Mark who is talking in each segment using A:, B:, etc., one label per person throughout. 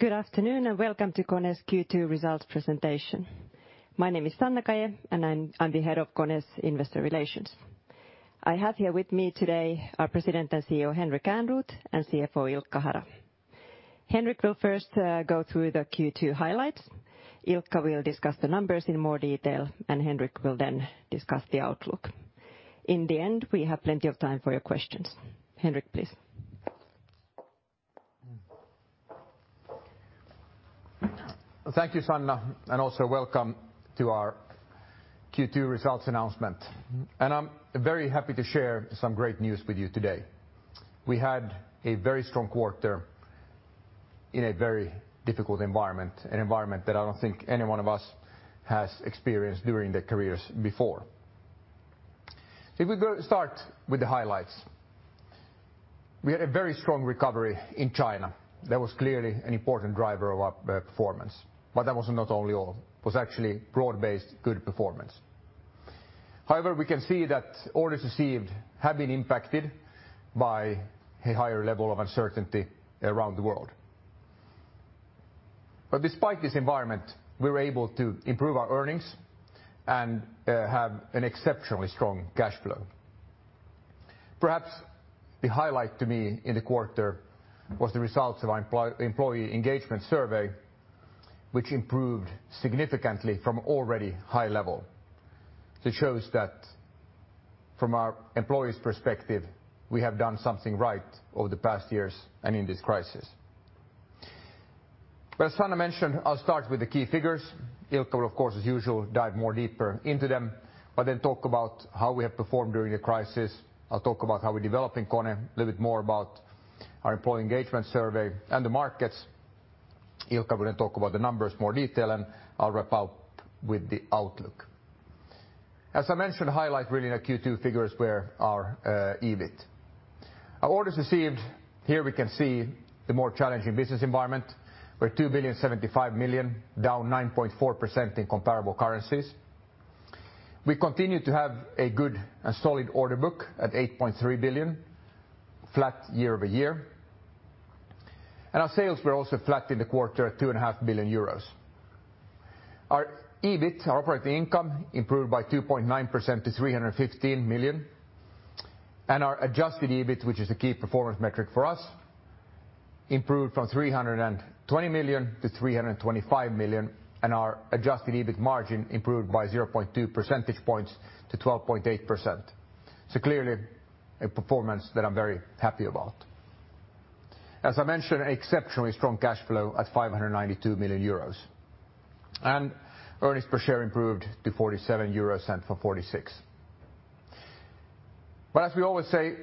A: Good afternoon, and welcome to KONE's Q2 results presentation. My name is Sanna Kaje, and I'm the Head of KONE's Investor Relations. I have here with me today our President and CEO, Henrik Ehrnrooth, and CFO, Ilkka Hara. Henrik will first go through the Q2 highlights. Ilkka will discuss the numbers in more detail, and Henrik will then discuss the outlook. In the end, we have plenty of time for your questions. Henrik, please.
B: Thank you, Sanna. Welcome to our Q2 results announcement. I'm very happy to share some great news with you today. We had a very strong quarter in a very difficult environment, an environment that I don't think any one of us has experienced during their careers before. If we start with the highlights, we had a very strong recovery in China. That was clearly an important driver of our performance. That was not only all, it was actually broad-based good performance. We can see that orders received have been impacted by a higher level of uncertainty around the world. Despite this environment, we were able to improve our earnings and have an exceptionally strong cash flow. Perhaps the highlight to me in the quarter was the results of our employee engagement survey, which improved significantly from already high level. That shows that from our employees' perspective, we have done something right over the past years and in this crisis. Well, Sanna mentioned, I'll start with the key figures. Ilkka, of course, as usual, dive more deeper into them, but then talk about how we have performed during the crisis. I'll talk about how we're developing KONE, a little bit more about our employee engagement survey and the markets. Ilkka will then talk about the numbers in more detail, and I'll wrap up with the outlook. As I mentioned, the highlight really in our Q2 figures were our EBIT. Our orders received, here we can see the more challenging business environment. Were 2.075 billion, down 9.4% in comparable currencies. We continue to have a good and solid order book at 8.3 billion, flat year-over-year. Our sales were also flat in the quarter at 2.5 billion euros. Our EBIT, our operating income, improved by 2.9% to 315 million. Our adjusted EBIT, which is a key performance metric for us, improved from 320 million to 325 million, and our adjusted EBIT margin improved by 0.2 percentage points to 12.8%. Clearly, a performance that I'm very happy about. As I mentioned, exceptionally strong cash flow at 592 million euros. Earnings per share improved to 0.47 euros from 0.46. As we always say,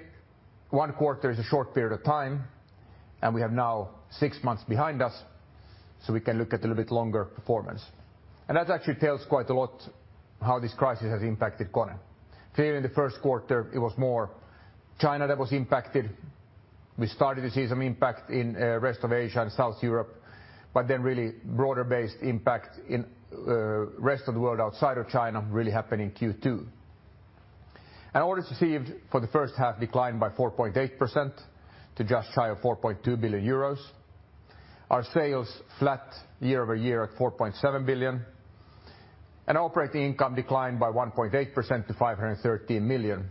B: one quarter is a short period of time, and we have now six months behind us, so we can look at a little bit longer performance. That actually tells quite a lot how this crisis has impacted KONE. Clearly, in the first quarter, it was more China that was impacted. We started to see some impact in rest of Asia and South Europe. Really broader-based impact in rest of the world outside of China really happened in Q2. Orders received for the first half declined by 4.8% to just shy of 4.2 billion euros. Our sales, flat year-over-year at 4.7 billion. Operating income declined by 1.8% to 513 million.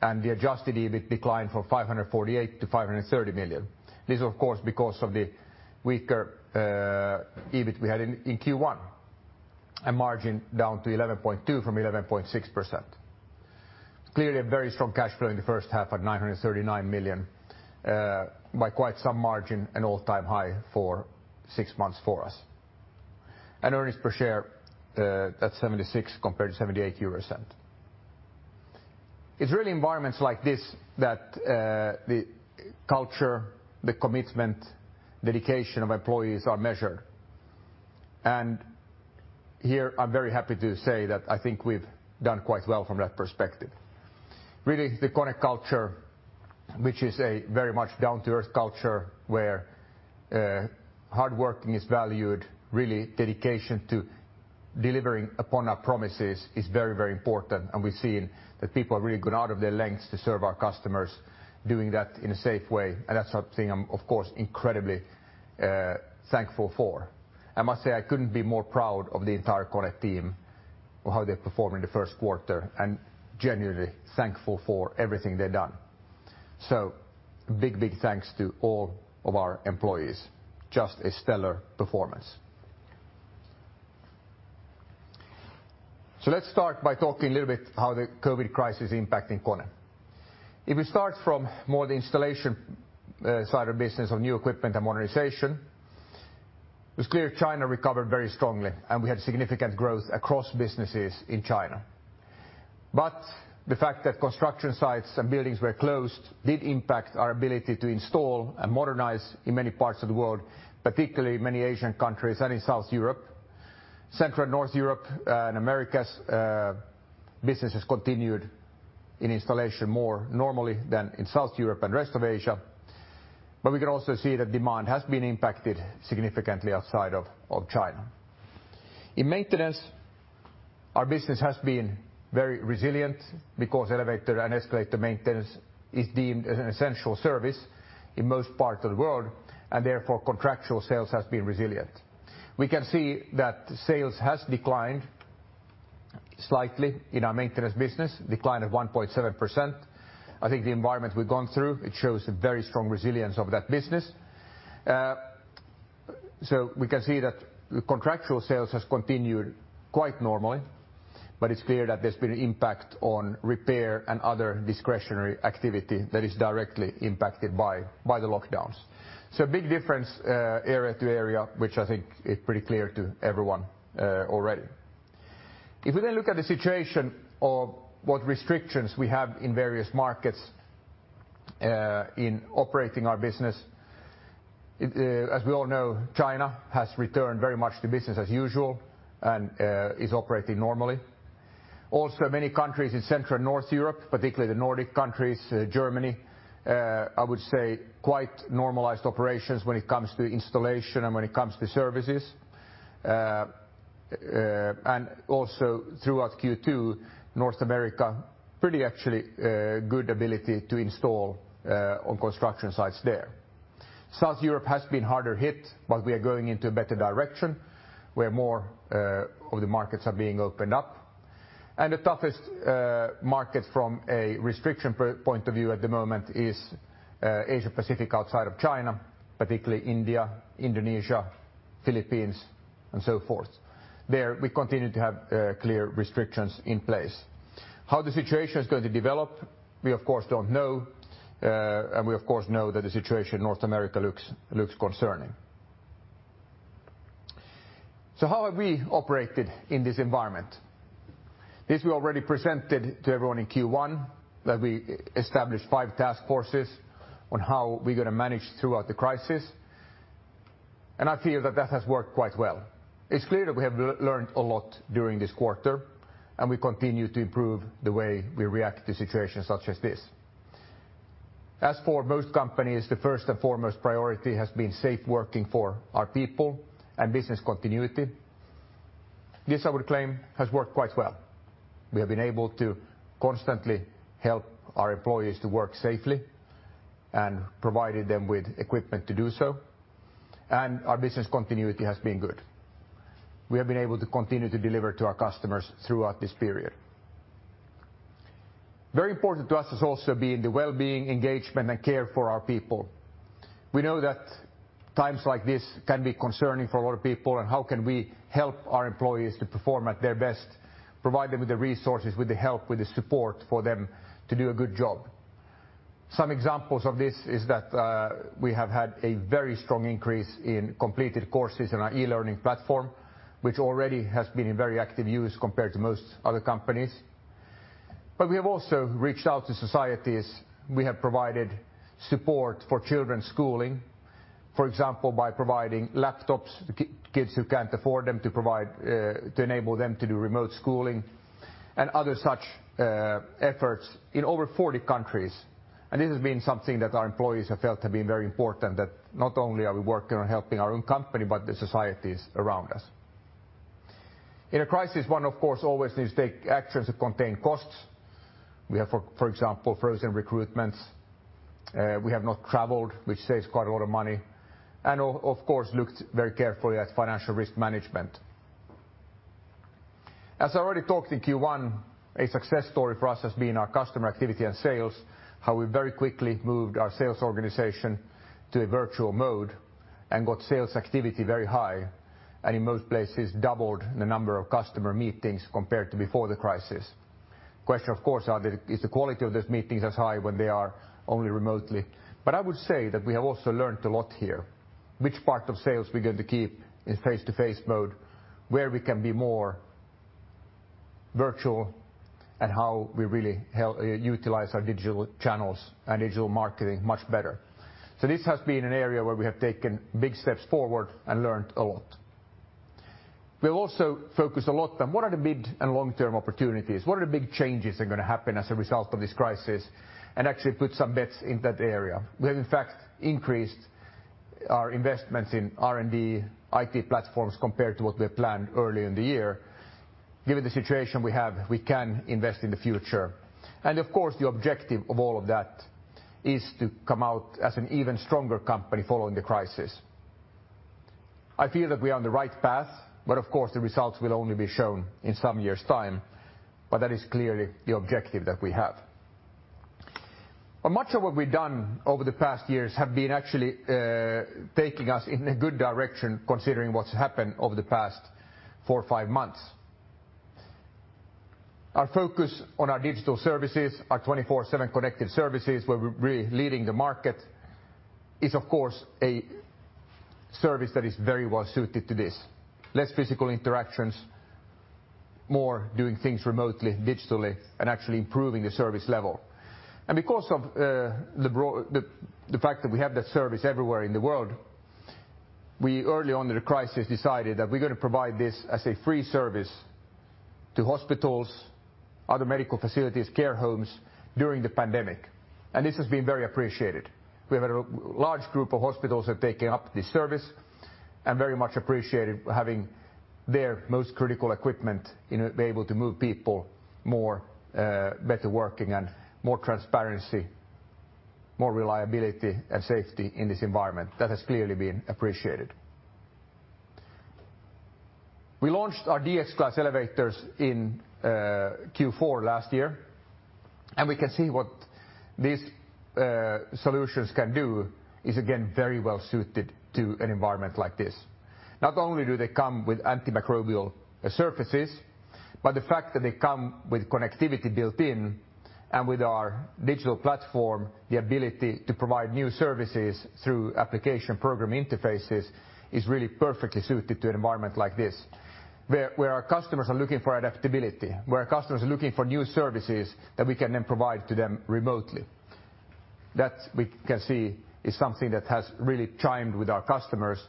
B: The Adjusted EBIT declined from 548 million to 530 million. This, of course, because of the weaker EBIT we had in Q1. Margin down to 11.2% from 11.6%. Clearly, a very strong cash flow in the first half at 939 million, by quite some margin an all-time high for six months for us. Earnings per share at 0.76 compared to 0.78. It's really environments like this that the culture, the commitment, dedication of employees are measured. Here I'm very happy to say that I think we've done quite well from that perspective. Really, the KONE culture, which is a very much down-to-earth culture where hard working is valued, really dedication to delivering upon our promises is very, very important, and we've seen that people have really gone out of their lengths to serve our customers, doing that in a safe way, and that's something I'm, of course, incredibly thankful for. I must say, I couldn't be more proud of the entire KONE team or how they performed in the first quarter, and genuinely thankful for everything they've done. Big, big thanks to all of our employees. Just a stellar performance. Let's start by talking a little bit how the COVID crisis is impacting KONE. If we start from more the installation side of business of new equipment and modernization, it was clear China recovered very strongly, and we had significant growth across businesses in China. The fact that construction sites and buildings were closed did impact our ability to install and modernize in many parts of the world, particularly many Asian countries and in South Europe. Central and North Europe and Americas, business has continued in installation more normally than in South Europe and rest of Asia. We can also see that demand has been impacted significantly outside of China. In maintenance, our business has been very resilient because elevator and escalator maintenance is deemed as an essential service in most parts of the world, and therefore contractual sales has been resilient. We can see that sales has declined slightly in our maintenance business, decline of 1.7%. I think the environment we've gone through, it shows a very strong resilience of that business. We can see that contractual sales has continued quite normally, but it's clear that there's been an impact on repair and other discretionary activity that is directly impacted by the lockdowns. A big difference, area to area, which I think is pretty clear to everyone already. If we then look at the situation of what restrictions we have in various markets in operating our business, as we all know, China has returned very much to business as usual and is operating normally. Also many countries in Central and North Europe, particularly the Nordic countries, Germany, I would say quite normalized operations when it comes to installation and when it comes to services. Also throughout Q2, North America, pretty actually good ability to install on construction sites there. South Europe has been harder hit, but we are going into a better direction, where more of the markets are being opened up. The toughest market from a restriction point of view at the moment is Asia-Pacific outside of China, particularly India, Indonesia, Philippines, and so forth. There we continue to have clear restrictions in place. How the situation is going to develop, we of course don't know, and we of course know that the situation in North America looks concerning. How have we operated in this environment? This we already presented to everyone in Q1, that we established five task forces on how we're going to manage throughout the crisis. I feel that that has worked quite well. It's clear that we have learned a lot during this quarter, and we continue to improve the way we react to situations such as this. As for most companies, the first and foremost priority has been safe working for our people and business continuity. This, I would claim, has worked quite well. We have been able to constantly help our employees to work safely and provided them with equipment to do so, and our business continuity has been good. We have been able to continue to deliver to our customers throughout this period. Very important to us has also been the well-being, engagement, and care for our people. We know that times like this can be concerning for a lot of people, and how can we help our employees to perform at their best, provide them with the resources, with the help, with the support for them to do a good job. Some examples of this is that we have had a very strong increase in completed courses in our e-learning platform, which already has been in very active use compared to most other companies. We have also reached out to societies. We have provided support for children's schooling, for example, by providing laptops to kids who can't afford them, to enable them to do remote schooling, and other such efforts in over 40 countries. It has been something that our employees have felt have been very important, that not only are we working on helping our own company, but the societies around us. In a crisis, one, of course, always needs to take actions to contain costs. We have, for example, frozen recruitments. We have not traveled, which saves quite a lot of money, and of course, looked very carefully at financial risk management. As I already talked in Q1, a success story for us has been our customer activity and sales, how we very quickly moved our sales organization to a virtual mode and got sales activity very high, and in most places doubled the number of customer meetings compared to before the crisis. Question, of course, is the quality of those meetings as high when they are only remotely? I would say that we have also learned a lot here, which part of sales we're going to keep in face-to-face mode, where we can be more virtual, and how we really utilize our digital channels and digital marketing much better. This has been an area where we have taken big steps forward and learned a lot. We've also focused a lot on what are the mid and long-term opportunities, what are the big changes that are going to happen as a result of this crisis, and actually put some bets in that area. We have, in fact, increased our investments in R&D, IT platforms, compared to what we had planned earlier in the year. Given the situation we have, we can invest in the future. Of course, the objective of all of that is to come out as an even stronger company following the crisis. I feel that we are on the right path, but of course, the results will only be shown in some years' time, but that is clearly the objective that we have. Much of what we've done over the past years have been actually taking us in a good direction, considering what's happened over the past four or five months. Our focus on our digital services, our 24/7 Connected Services, where we're really leading the market, is of course a service that is very well suited to this. Less physical interactions, more doing things remotely, digitally, and actually improving the service level. Because of the fact that we have that service everywhere in the world, we early on in the crisis decided that we're going to provide this as a free service to hospitals, other medical facilities, care homes during the pandemic, and this has been very appreciated. We have a large group of hospitals have taken up this service and very much appreciated having their most critical equipment, be able to move people more, better working and more transparency, more reliability and safety in this environment. That has clearly been appreciated. We launched our KONE DX Class elevators in Q4 last year. We can see what these solutions can do is again very well suited to an environment like this. Not only do they come with antimicrobial surfaces, the fact that they come with connectivity built in and with our digital platform, the ability to provide new services through application program interfaces is really perfectly suited to an environment like this where our customers are looking for adaptability, where our customers are looking for new services that we can then provide to them remotely. That we can see is something that has really chimed with our customers.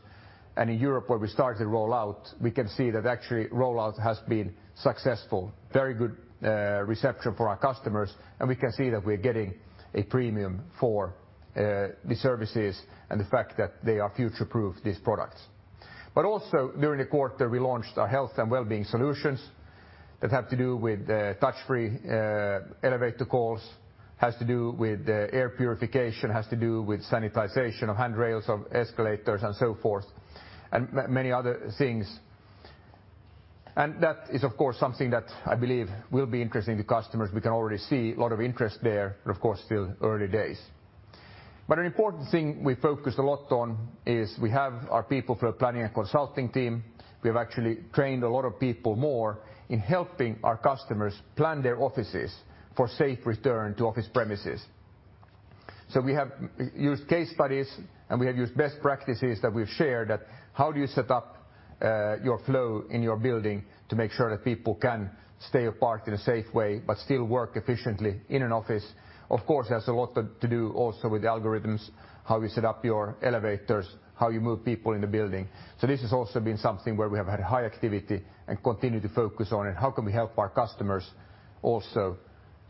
B: In Europe where we started the rollout, we can see that actually rollout has been successful, very good reception for our customers, and we can see that we are getting a premium for the services and the fact that they are future proof, these products. Also during the quarter, we launched our health and wellbeing solutions that have to do with touch-free elevator calls, has to do with air purification, has to do with sanitization of handrails, of escalators and so forth, and many other things. That is, of course, something that I believe will be interesting to customers. We can already see a lot of interest there, but of course still early days. An important thing we focused a lot on is we have our people flow planning and consulting team. We have actually trained a lot of people more in helping our customers plan their offices for safe return to office premises. We have used case studies and we have used best practices that we've shared that how do you set up your flow in your building to make sure that people can stay apart in a safe way but still work efficiently in an office? Of course, it has a lot to do also with algorithms, how you set up your elevators, how you move people in the building. This has also been something where we have had high activity and continue to focus on it. How can we help our customers also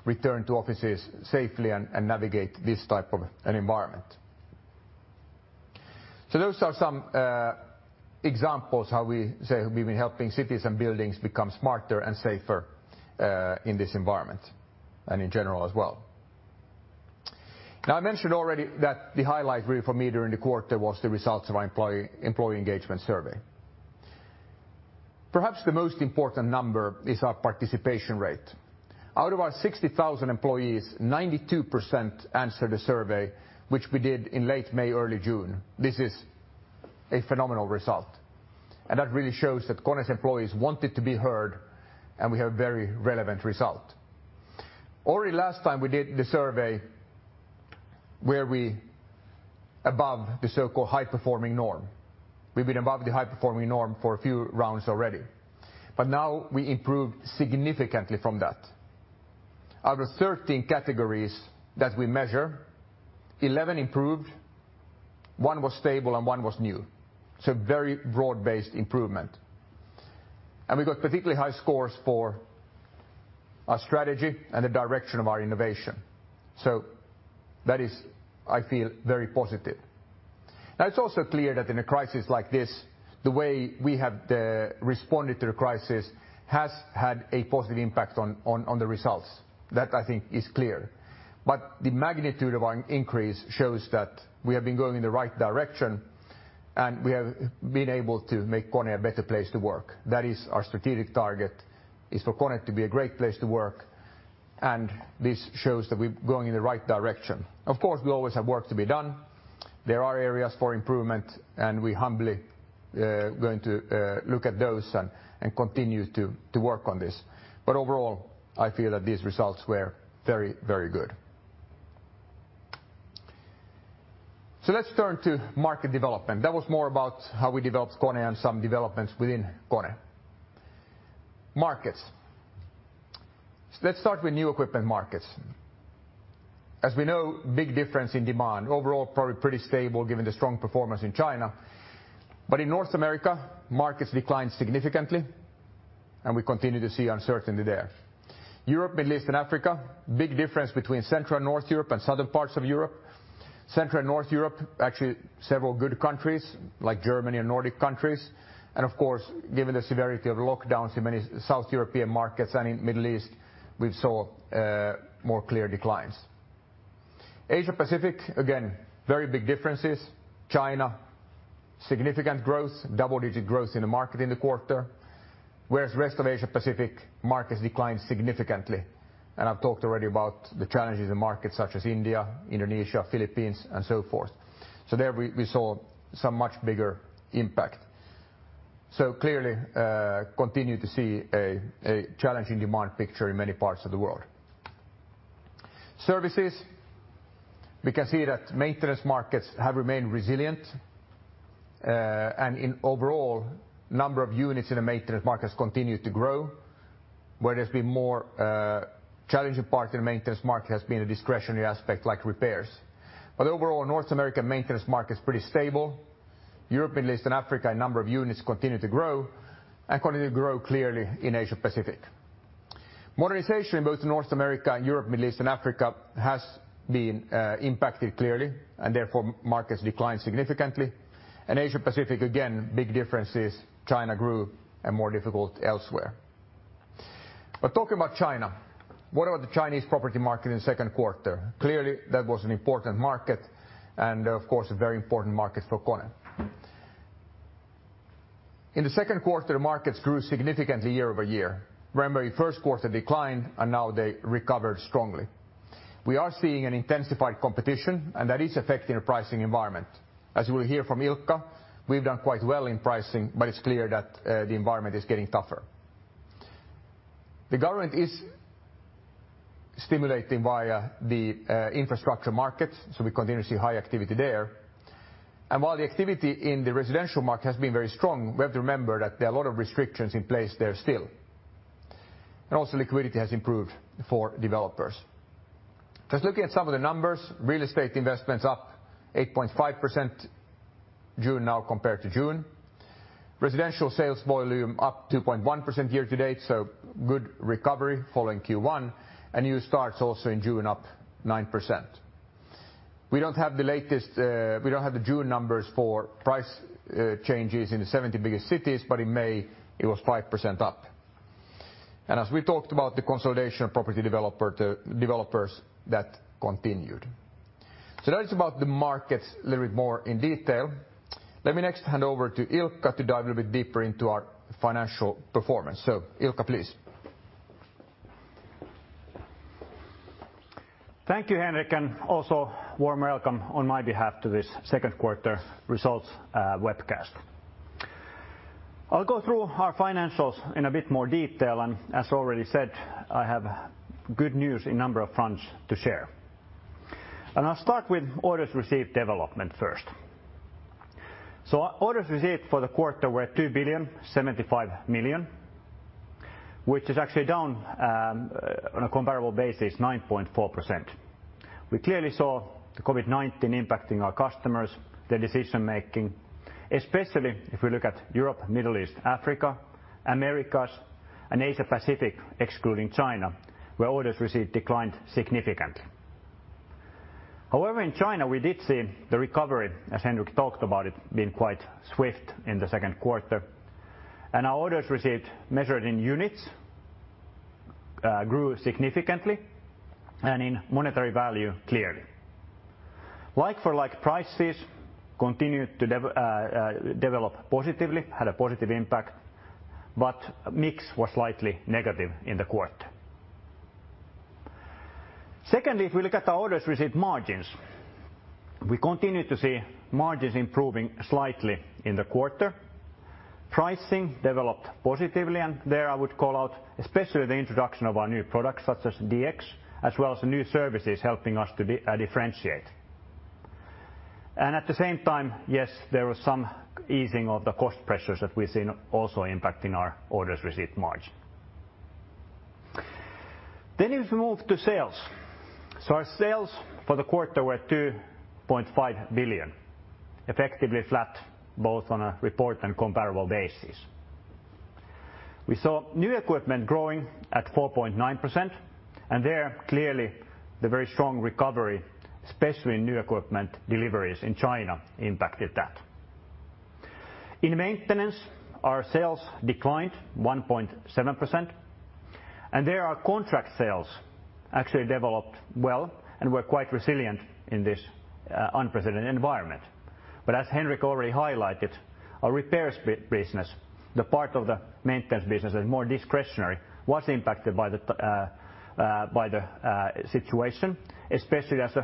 B: return to offices safely and navigate this type of an environment? Those are some examples how we say we've been helping cities and buildings become smarter and safer in this environment and in general as well. Now, I mentioned already that the highlight really for me during the quarter was the results of our employee engagement survey. Perhaps the most important number is our participation rate. Out of our 60,000 employees, 92% answered the survey, which we did in late May, early June. This is a phenomenal result, and that really shows that KONE's employees wanted to be heard, and we have very relevant result. Already last time we did the survey where we above the so-called high-performing norm. We've been above the high-performing norm for a few rounds already, but now we improved significantly from that. Out of 13 categories that we measure, 11 improved, one was stable, and one was new. Very broad-based improvement. We got particularly high scores for our strategy and the direction of our innovation. That is, I feel, very positive. It's also clear that in a crisis like this, the way we have responded to the crisis has had a positive impact on the results. That I think is clear. The magnitude of our increase shows that we have been going in the right direction, and we have been able to make KONE a better place to work. That is our strategic target, is for KONE to be a great place to work, and this shows that we're going in the right direction. Of course, we always have work to be done. There are areas for improvement, and we humbly going to look at those and continue to work on this. Overall, I feel that these results were very good. Let's turn to market development. That was more about how we developed KONE and some developments within KONE. Markets. Let's start with new equipment markets. As we know, big difference in demand. Overall probably pretty stable given the strong performance in China. In North America, markets declined significantly, and we continue to see uncertainty there. Europe, Middle East and Africa, big difference between Central and North Europe and Southern parts of Europe. Central and North Europe, actually several good countries like Germany and Nordic countries, and of course, given the severity of lockdowns in many South European markets and in Middle East, we saw more clear declines. Asia-Pacific, again, very big differences. China, significant growth, double-digit growth in the market in the quarter, whereas rest of Asia-Pacific markets declined significantly. I've talked already about the challenges in markets such as India, Indonesia, Philippines and so forth. There we saw some much bigger impact. Clearly, continue to see a challenging demand picture in many parts of the world. Services. We can see that maintenance markets have remained resilient, and in overall number of units in the maintenance markets continue to grow, where there's been more challenging part in the maintenance market has been a discretionary aspect like repairs. Overall, North American maintenance market is pretty stable. Europe, Middle East, and Africa, a number of units continue to grow, and continue to grow clearly in Asia Pacific. Modernization, both in North America and Europe, Middle East and Africa, has been impacted clearly, and therefore markets declined significantly. In Asia Pacific, again, big difference is China grew and more difficult elsewhere. Talking about China, what about the Chinese property market in the second quarter? Clearly, that was an important market and of course, a very important market for KONE. In the second quarter, the markets grew significantly year-over-year. Remember in the first quarter decline, and now they recovered strongly. We are seeing an intensified competition and that is affecting the pricing environment. As you will hear from Ilkka, we've done quite well in pricing, but it's clear that the environment is getting tougher. The government is stimulating via the infrastructure market, we continue to see high activity there. While the activity in the residential market has been very strong, we have to remember that there are a lot of restrictions in place there still. Also liquidity has improved for developers. Just looking at some of the numbers, real estate investments up 8.5% June now compared to June. Residential sales volume up 2.1% year to date, good recovery following Q1, and new starts also in June up 9%. We don't have the June numbers for price changes in the 70 biggest cities, but in May it was 5% up. As we talked about the consolidation of property developers, that continued. That is about the markets little bit more in detail. Let me next hand over to Ilkka to dive a little bit deeper into our financial performance. Ilkka, please.
C: Thank you, Henrik, and also warm welcome on my behalf to this second quarter results webcast. I'll go through our financials in a bit more detail, and as already said, I have good news in number of fronts to share. I'll start with orders received development first. Orders received for the quarter were 2.075 billion, which is actually down, on a comparable basis, 9.4%. We clearly saw the COVID-19 impacting our customers, their decision-making, especially if we look at Europe, Middle East, Africa, Americas, and Asia Pacific, excluding China, where orders received declined significantly. However, in China, we did see the recovery, as Henrik talked about it, being quite swift in the second quarter. Our orders received, measured in units, grew significantly, and in monetary value, clearly. Like for like prices continued to develop positively, had a positive impact, but mix was slightly negative in the quarter. If we look at our orders received margins, we continued to see margins improving slightly in the quarter. Pricing developed positively, there I would call out especially the introduction of our new products such as DX, as well as new services helping us to differentiate. At the same time, yes, there was some easing of the cost pressures that we've seen also impacting our orders received margin. If we move to sales. Our sales for the quarter were 2.5 billion, effectively flat both on a report and comparable basis. We saw new equipment growing at 4.9%, there clearly the very strong recovery, especially in new equipment deliveries in China, impacted that. In maintenance, our sales declined 1.7%. There our contract sales actually developed well and were quite resilient in this unprecedented environment. As Henrik already highlighted, our repairs business, the part of the maintenance business that's more discretionary, was impacted by the situation, especially as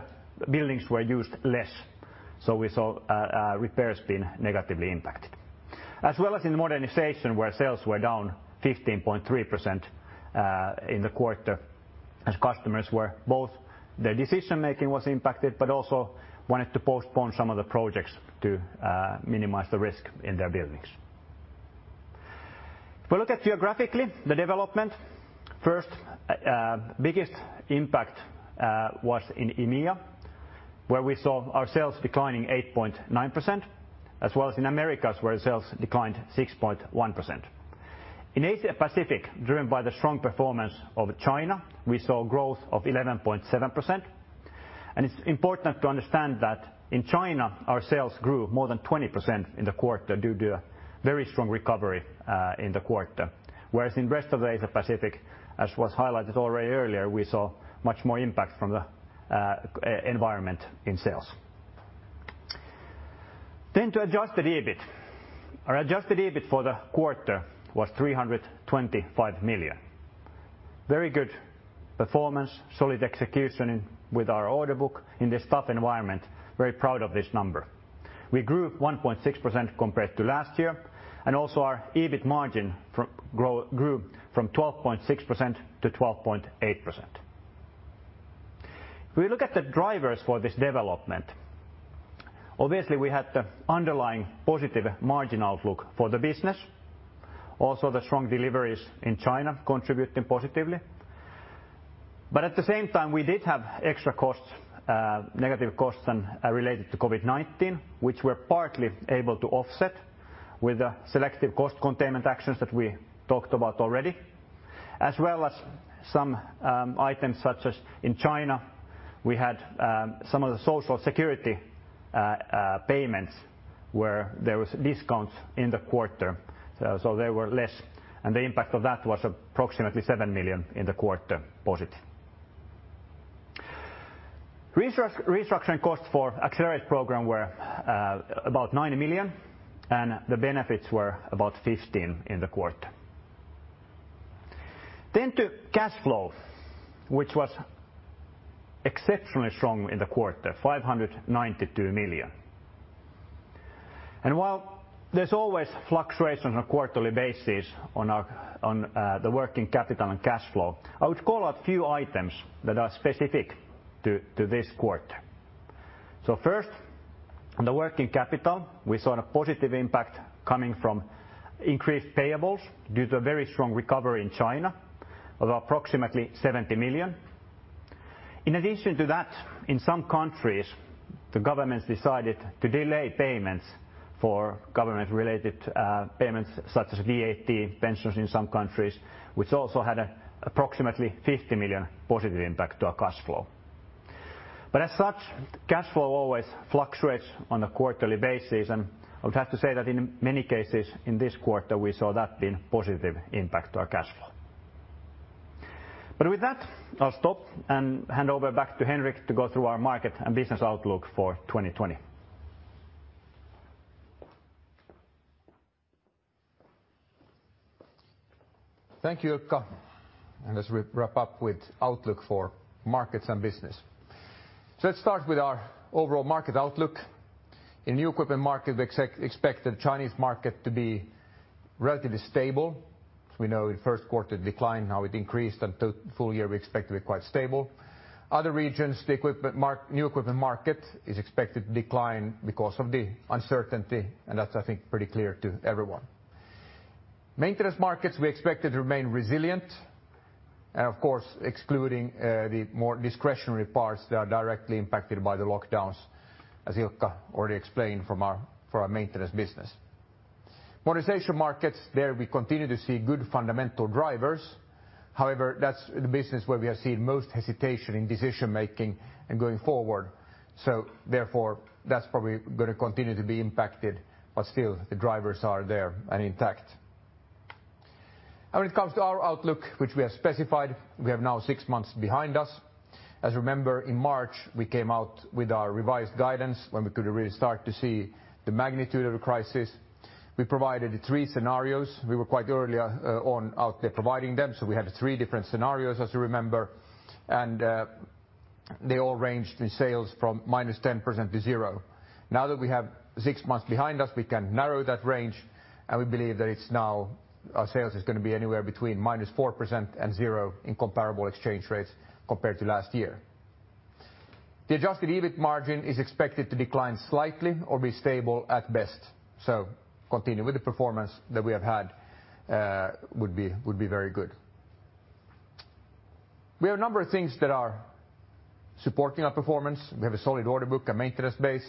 C: buildings were used less. We saw repairs being negatively impacted. As well as in modernization, where sales were down 15.3% in the quarter as customers were both their decision-making was impacted, but also wanted to postpone some of the projects to minimize the risk in their buildings. If we look at geographically the development, first, biggest impact was in EMEA, where we saw our sales declining 8.9%, as well as in Americas, where sales declined 6.1%. In Asia Pacific, driven by the strong performance over China, we saw growth of 11.7%. It's important to understand that in China, our sales grew more than 20% in the quarter due to a very strong recovery, in the quarter. Whereas in rest of the Asia Pacific, as was highlighted already earlier, we saw much more impact from the environment in sales. To Adjusted EBIT. Our Adjusted EBIT for the quarter was 325 million. Very good performance, solid execution with our order book in this tough environment. Very proud of this number. We grew 1.6% compared to last year, and also our EBIT margin grew from 12.6% to 12.8%. If we look at the drivers for this development, obviously we had the underlying positive margin outlook for the business. The strong deliveries in China contributing positively. At the same time, we did have extra costs, negative costs related to COVID-19, which we were partly able to offset with the selective cost containment actions that we talked about already, as well as some items, such as in China, we had some of the social security payments where there was discounts in the quarter, so they were less. The impact of that was approximately 7 million in the quarter positive. Restructuring costs for Accelerate program were about 90 million, and the benefits were about 15 in the quarter. To cash flow, which was exceptionally strong in the quarter, 592 million. While there's always fluctuations on a quarterly basis on the working capital and cash flow, I would call out a few items that are specific to this quarter. First, the working capital, we saw a positive impact coming from increased payables due to a very strong recovery in China of approximately 70 million. In addition to that, in some countries, the governments decided to delay payments for government-related payments such as VAT, pensions in some countries, which also had approximately 50 million positive impact to our cash flow. As such, cash flow always fluctuates on a quarterly basis, and I would have to say that in many cases in this quarter, we saw that being positive impact to our cash flow. With that, I'll stop and hand over back to Henrik to go through our market and business outlook for 2020.
B: Thank you, Ilkka. Let's wrap up with outlook for markets and business. Let's start with our overall market outlook. In new equipment market, we expect the Chinese market to be relatively stable. As we know, in first quarter decline, how it increased, and full year, we expect to be quite stable. Other regions, new equipment market is expected to decline because of the uncertainty, and that's, I think, pretty clear to everyone. Maintenance markets, we expect it to remain resilient. Of course, excluding the more discretionary parts that are directly impacted by the lockdowns, as Ilkka already explained for our maintenance business. Modernization markets, there we continue to see good fundamental drivers. However, that's the business where we have seen most hesitation in decision-making and going forward. Therefore, that's probably going to continue to be impacted, but still, the drivers are there and intact. When it comes to our outlook, which we have specified, we have now six months behind us. As you remember, in March, we came out with our revised guidance when we could really start to see the magnitude of the crisis. We provided the three scenarios. We were quite early on out there providing them, so we had three different scenarios, as you remember, and they all ranged in sales from -10% to zero. Now that we have six months behind us, we can narrow that range, and we believe that it's now our sales is going to be anywhere between -4% and zero in comparable exchange rates compared to last year. The Adjusted EBIT margin is expected to decline slightly or be stable at best. Continuing with the performance that we have had would be very good. We have a number of things that are supporting our performance. We have a solid order book, a maintenance base.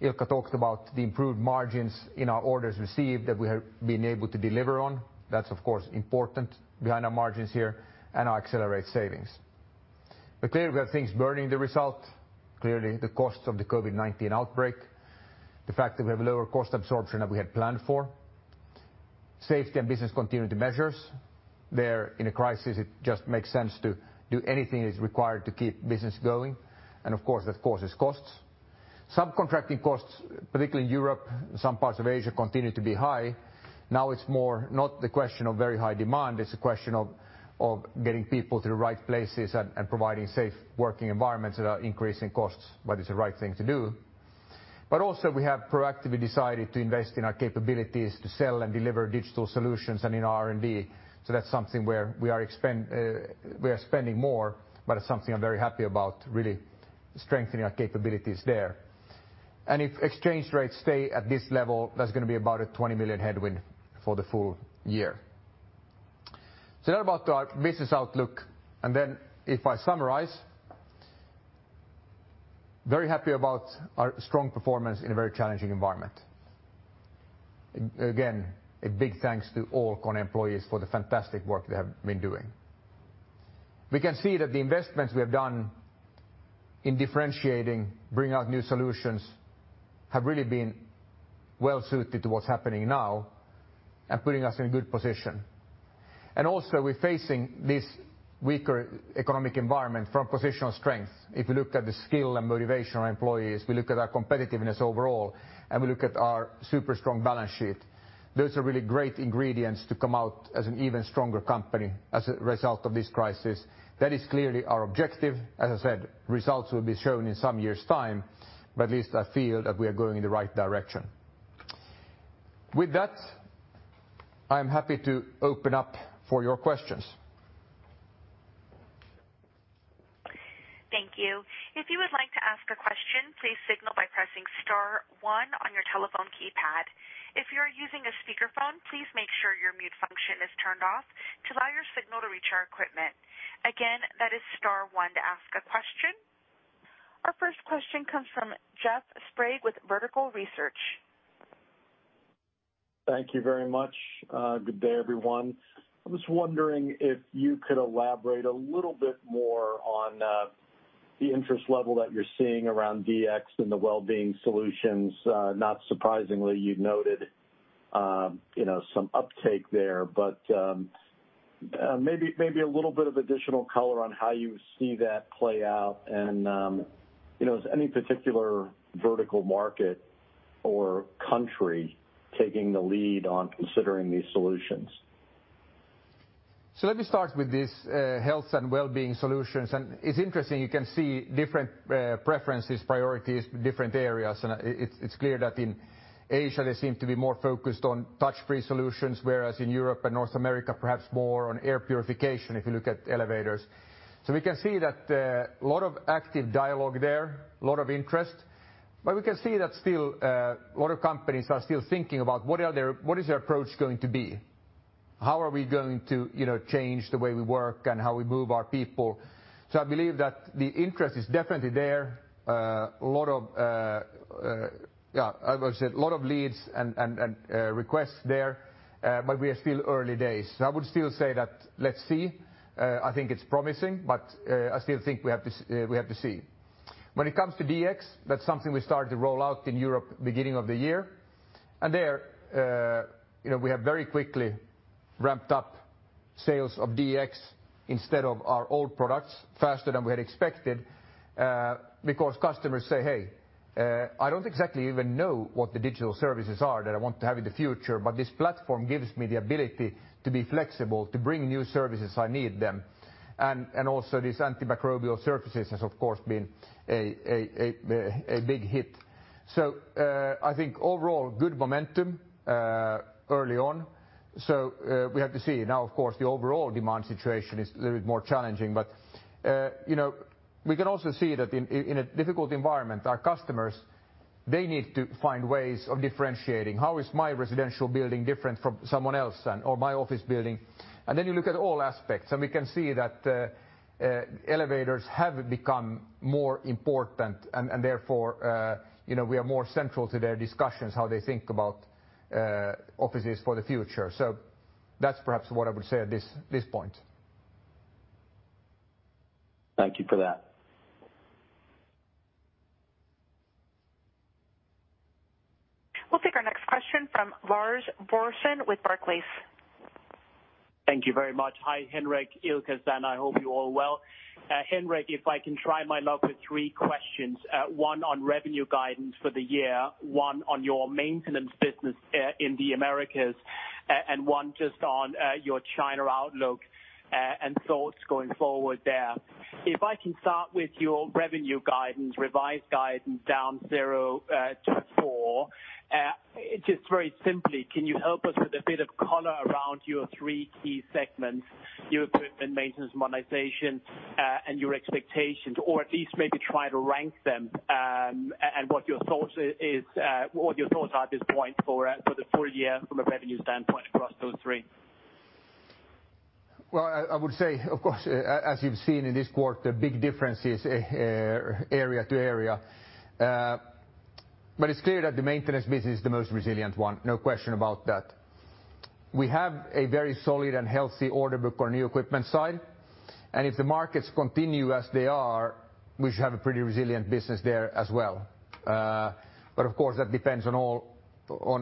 B: Ilkka talked about the improved margins in our orders received that we have been able to deliver on. That's, of course, important behind our margins here and our Accelerate savings. Clearly, we have things burdening the result. Clearly, the cost of the COVID-19 outbreak, the fact that we have lower cost absorption than we had planned for. Safety and business continuity measures. There in a crisis, it just makes sense to do anything that's required to keep business going. Of course, that causes costs. Subcontracting costs, particularly in Europe, some parts of Asia, continue to be high. Now it's more not the question of very high demand, it's a question of getting people to the right places and providing safe working environments that are increasing costs, but it's the right thing to do. Also, we have proactively decided to invest in our capabilities to sell and deliver digital solutions and in our R&D. That's something where we are spending more, but it's something I'm very happy about really strengthening our capabilities there. If exchange rates stay at this level, that's going to be about a 20 million headwind for the full year. That about our business outlook. Then if I summarize, very happy about our strong performance in a very challenging environment. Again, a big thanks to all KONE employees for the fantastic work they have been doing. We can see that the investments we have done in differentiating, bringing out new solutions, have really been well-suited to what's happening now and putting us in a good position. Also, we're facing this weaker economic environment from a position of strength. If we look at the skill and motivation of our employees, we look at our competitiveness overall, and we look at our super strong balance sheet. Those are really great ingredients to come out as an even stronger company as a result of this crisis. That is clearly our objective. As I said, results will be shown in some years' time, at least I feel that we are going in the right direction. With that, I'm happy to open up for your questions.
D: Thank you. If you would like to ask a question, please signal by pressing star one on your telephone keypad. If you are using a speakerphone, please make sure your mute function is turned off to allow your signal to reach our equipment. Again, that is star one to ask a question. Our first question comes from Jeff Sprague with Vertical Research.
E: Thank you very much. Good day, everyone. I was wondering if you could elaborate a little bit more on the interest level that you're seeing around DX and the wellbeing solutions. Not surprisingly, you'd noted some uptake there, but maybe a little bit of additional color on how you see that play out and is any particular vertical market or country taking the lead on considering these solutions?
B: Let me start with this health and wellbeing solutions, and it's interesting, you can see different preferences, priorities, different areas, and it's clear that in Asia, they seem to be more focused on touch-free solutions, whereas in Europe and North America, perhaps more on air purification, if you look at elevators. We can see that lot of active dialogue there, lot of interest, but we can see that still a lot of companies are still thinking about what is their approach going to be. How are we going to change the way we work and how we move our people? I believe that the interest is definitely there. A lot of leads and requests there, but we are still early days. I would still say that, let's see. I think it's promising, but I still think we have to see. When it comes to DX, that's something we started to roll out in Europe beginning of the year. There we have very quickly ramped up sales of DX instead of our old products faster than we had expected, because customers say, "Hey, I don't exactly even know what the digital services are that I want to have in the future, but this platform gives me the ability to be flexible, to bring new services I need them." Also these antimicrobial services has, of course, been a big hit. I think overall, good momentum early on. We have to see. Now, of course, the overall demand situation is a little bit more challenging, but we can also see that in a difficult environment, our customers, they need to find ways of differentiating. How is my residential building different from someone else's, or my office building? Then you look at all aspects, we can see that elevators have become more important, therefore we are more central to their discussions, how they think about offices for the future. That's perhaps what I would say at this point.
E: Thank you for that.
D: We'll take our next question from Lars Brorson with Barclays.
F: Thank you very much. Hi, Henrik, Ilkka, and I hope you're all well. Henrik, if I can try my luck with three questions, one on revenue guidance for the year, one on your maintenance business in the Americas, and one just on your China outlook and thoughts going forward there. If I can start with your revenue guidance, revised guidance down zero to four. Just very simply, can you help us with a bit of color around your three key segments, new equipment maintenance, modernization, and your expectations, or at least maybe try to rank them, and what your thoughts are at this point for the full year from a revenue standpoint across those three?
B: Well, I would say, of course, as you've seen in this quarter, big differences area to area. It's clear that the maintenance business is the most resilient one. No question about that. We have a very solid and healthy order book on new equipment side, and if the markets continue as they are, we should have a pretty resilient business there as well. Of course, that depends on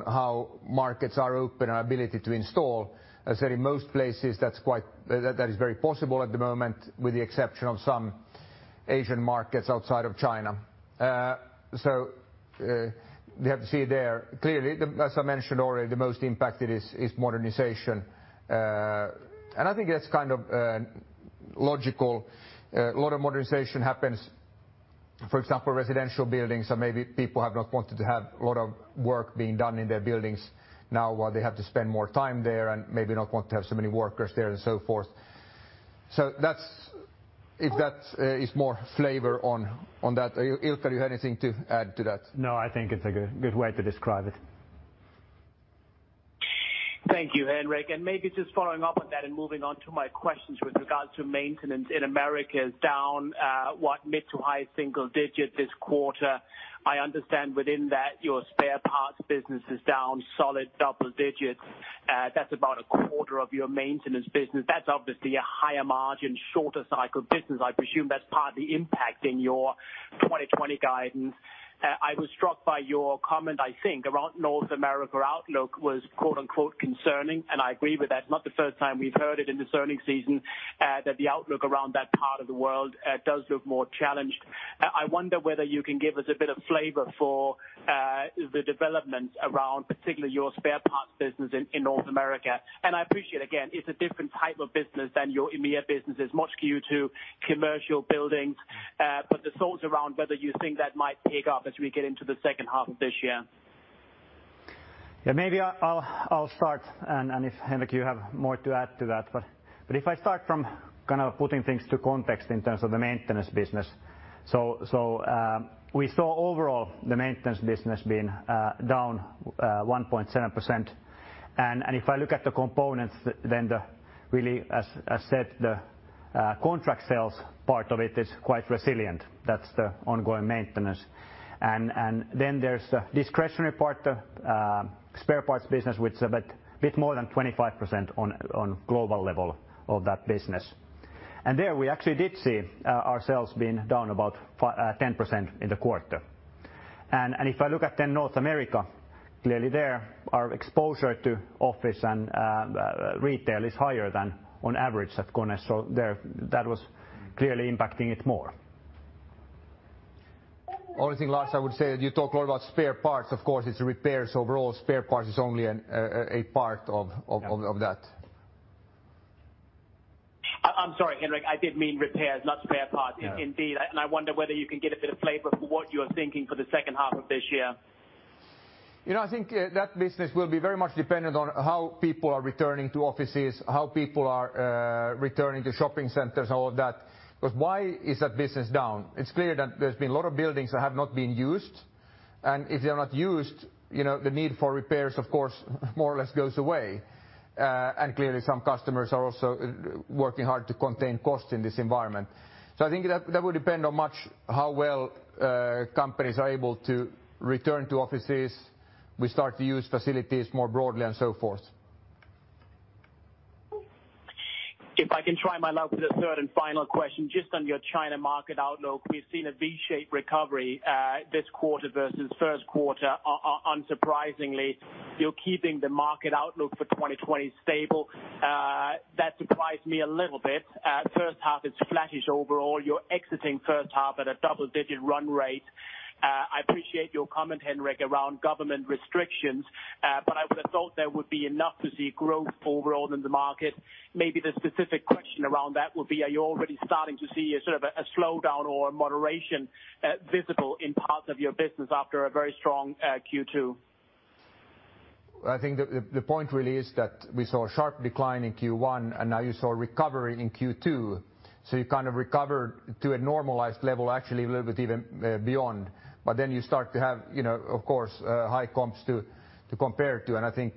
B: how markets are open and our ability to install. As said, in most places, that is very possible at the moment, with the exception of some Asian markets outside of China. We have to see there. Clearly, as I mentioned already, the most impacted is modernization. I think that's kind of logical. A lot of modernization happens, for example, residential buildings or maybe people have not wanted to have a lot of work being done in their buildings now while they have to spend more time there and maybe not want to have so many workers there and so forth. If that is more flavor on that. Ilkka, you have anything to add to that?
C: No, I think it's a good way to describe it.
F: Thank you, Henrik, maybe just following up on that and moving on to my questions with regards to maintenance in Americas down, what mid to high single-digit this quarter. I understand within that your spare parts business is down solid double-digits. That's about a quarter of your maintenance business. That's obviously a higher margin, shorter cycle business. I presume that's partly impacting your 2020 guidance. I was struck by your comment, I think, around North America outlook was "concerning," and I agree with that. Not the first time we've heard it in this earning season, that the outlook around that part of the world does look more challenged. I wonder whether you can give us a bit of flavor for the developments around, particularly your spare parts business in North America. I appreciate, again, it's a different type of business than your EMEA business. It's much skewed to commercial buildings. The thoughts around whether you think that might pick up as we get into the second half of this year?
C: Maybe I'll start, and if, Henrik, you have more to add to that. If I start from putting things to context in terms of the maintenance business. We saw overall the maintenance business being down 1.7%. If I look at the components, really, as I said, the contract sales part of it is quite resilient. That's the ongoing maintenance. There's the discretionary part, spare parts business with a bit more than 25% on global level of that business. There we actually did see our sales being down about 10% in the quarter. If I look at the North America, clearly there, our exposure to office and retail is higher than on average at KONE. That was clearly impacting it more.
B: Only thing last I would say, you talk a lot about spare parts. Of course, it's repairs overall. Spare parts is only a part of that.
F: I'm sorry, Henrik, I did mean repairs, not spare parts indeed.
B: Yeah.
F: I wonder whether you can give a bit of flavor for what you're thinking for the second half of this year.
B: I think that business will be very much dependent on how people are returning to offices, how people are returning to shopping centers, all of that. Why is that business down? It's clear that there's been a lot of buildings that have not been used. If they're not used, the need for repairs, of course, more or less goes away. Clearly some customers are also working hard to contain costs in this environment. I think that would depend on much how well companies are able to return to offices. We start to use facilities more broadly and so forth.
F: If I can try my luck with a third and final question, just on your China market outlook. We've seen a V-shaped recovery this quarter versus first quarter, unsurprisingly. You're keeping the market outlook for 2020 stable. That surprised me a little bit. First half is flattish overall. You're exiting first half at a double-digit run rate. I appreciate your comment, Henrik, around government restrictions. I would have thought there would be enough to see growth overall in the market. Maybe the specific question around that would be, are you already starting to see a sort of a slowdown or a moderation visible in parts of your business after a very strong Q2?
B: I think the point really is that we saw a sharp decline in Q1, and now you saw recovery in Q2. You kind of recovered to a normalized level, actually a little bit even beyond. You start to have, of course, high comps to compare to. I think,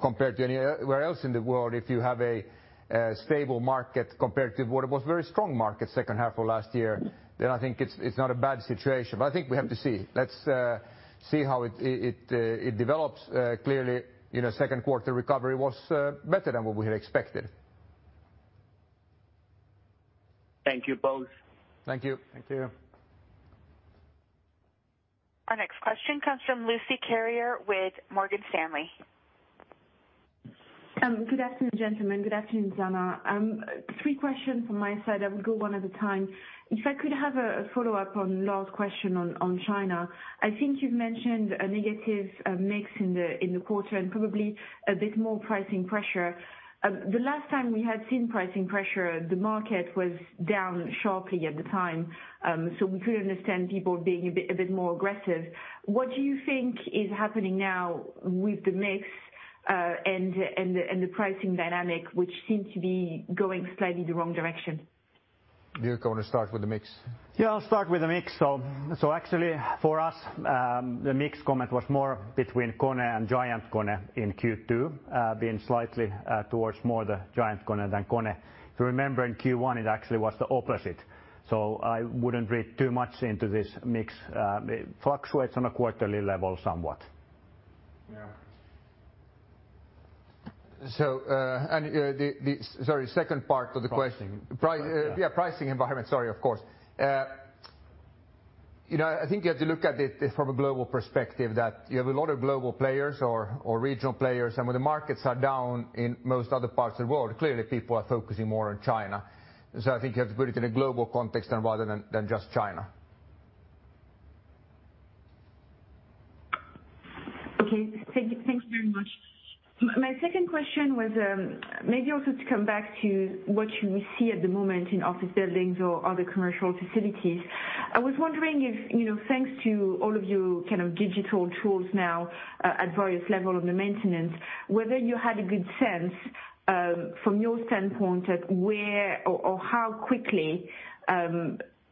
B: compared to anywhere else in the world, if you have a stable market compared to what it was very strong market second half of last year, then I think it's not a bad situation. I think we have to see. Let's see how it develops. Clearly, second quarter recovery was better than what we had expected.
F: Thank you both.
B: Thank you.
C: Thank you.
D: Our next question comes from Lucie Carrier with Morgan Stanley.
G: Good afternoon, gentlemen. Good afternoon, Sanna. Three questions from my side. I would go one at a time. If I could have a follow-up on last question on China. I think you've mentioned a negative mix in the quarter and probably a bit more pricing pressure. The last time we had seen pricing pressure, the market was down sharply at the time. We could understand people being a bit more aggressive. What do you think is happening now with the mix and the pricing dynamic, which seem to be going slightly the wrong direction?
B: Ilkka, want to start with the mix?
C: I'll start with the mix. Actually for us, the mix comment was more between KONE and GiantKONE in Q2, being slightly towards more the GiantKONE than KONE. If you remember in Q1, it actually was the opposite. I wouldn't read too much into this mix. It fluctuates on a quarterly level somewhat.
B: Yeah. Sorry, second part of the question.
C: Pricing. Yeah
B: Yeah, pricing environment. Sorry. Of course. I think you have to look at it from a global perspective that you have a lot of global players or regional players, and when the markets are down in most other parts of the world, clearly people are focusing more on China. I think you have to put it in a global context rather than just China.
G: Okay. Thanks very much. My second question was maybe also to come back to what you see at the moment in office buildings or other commercial facilities. I was wondering if, thanks to all of you kind of digital tools now at various level of the maintenance, whether you had a good sense from your standpoint at where or how quickly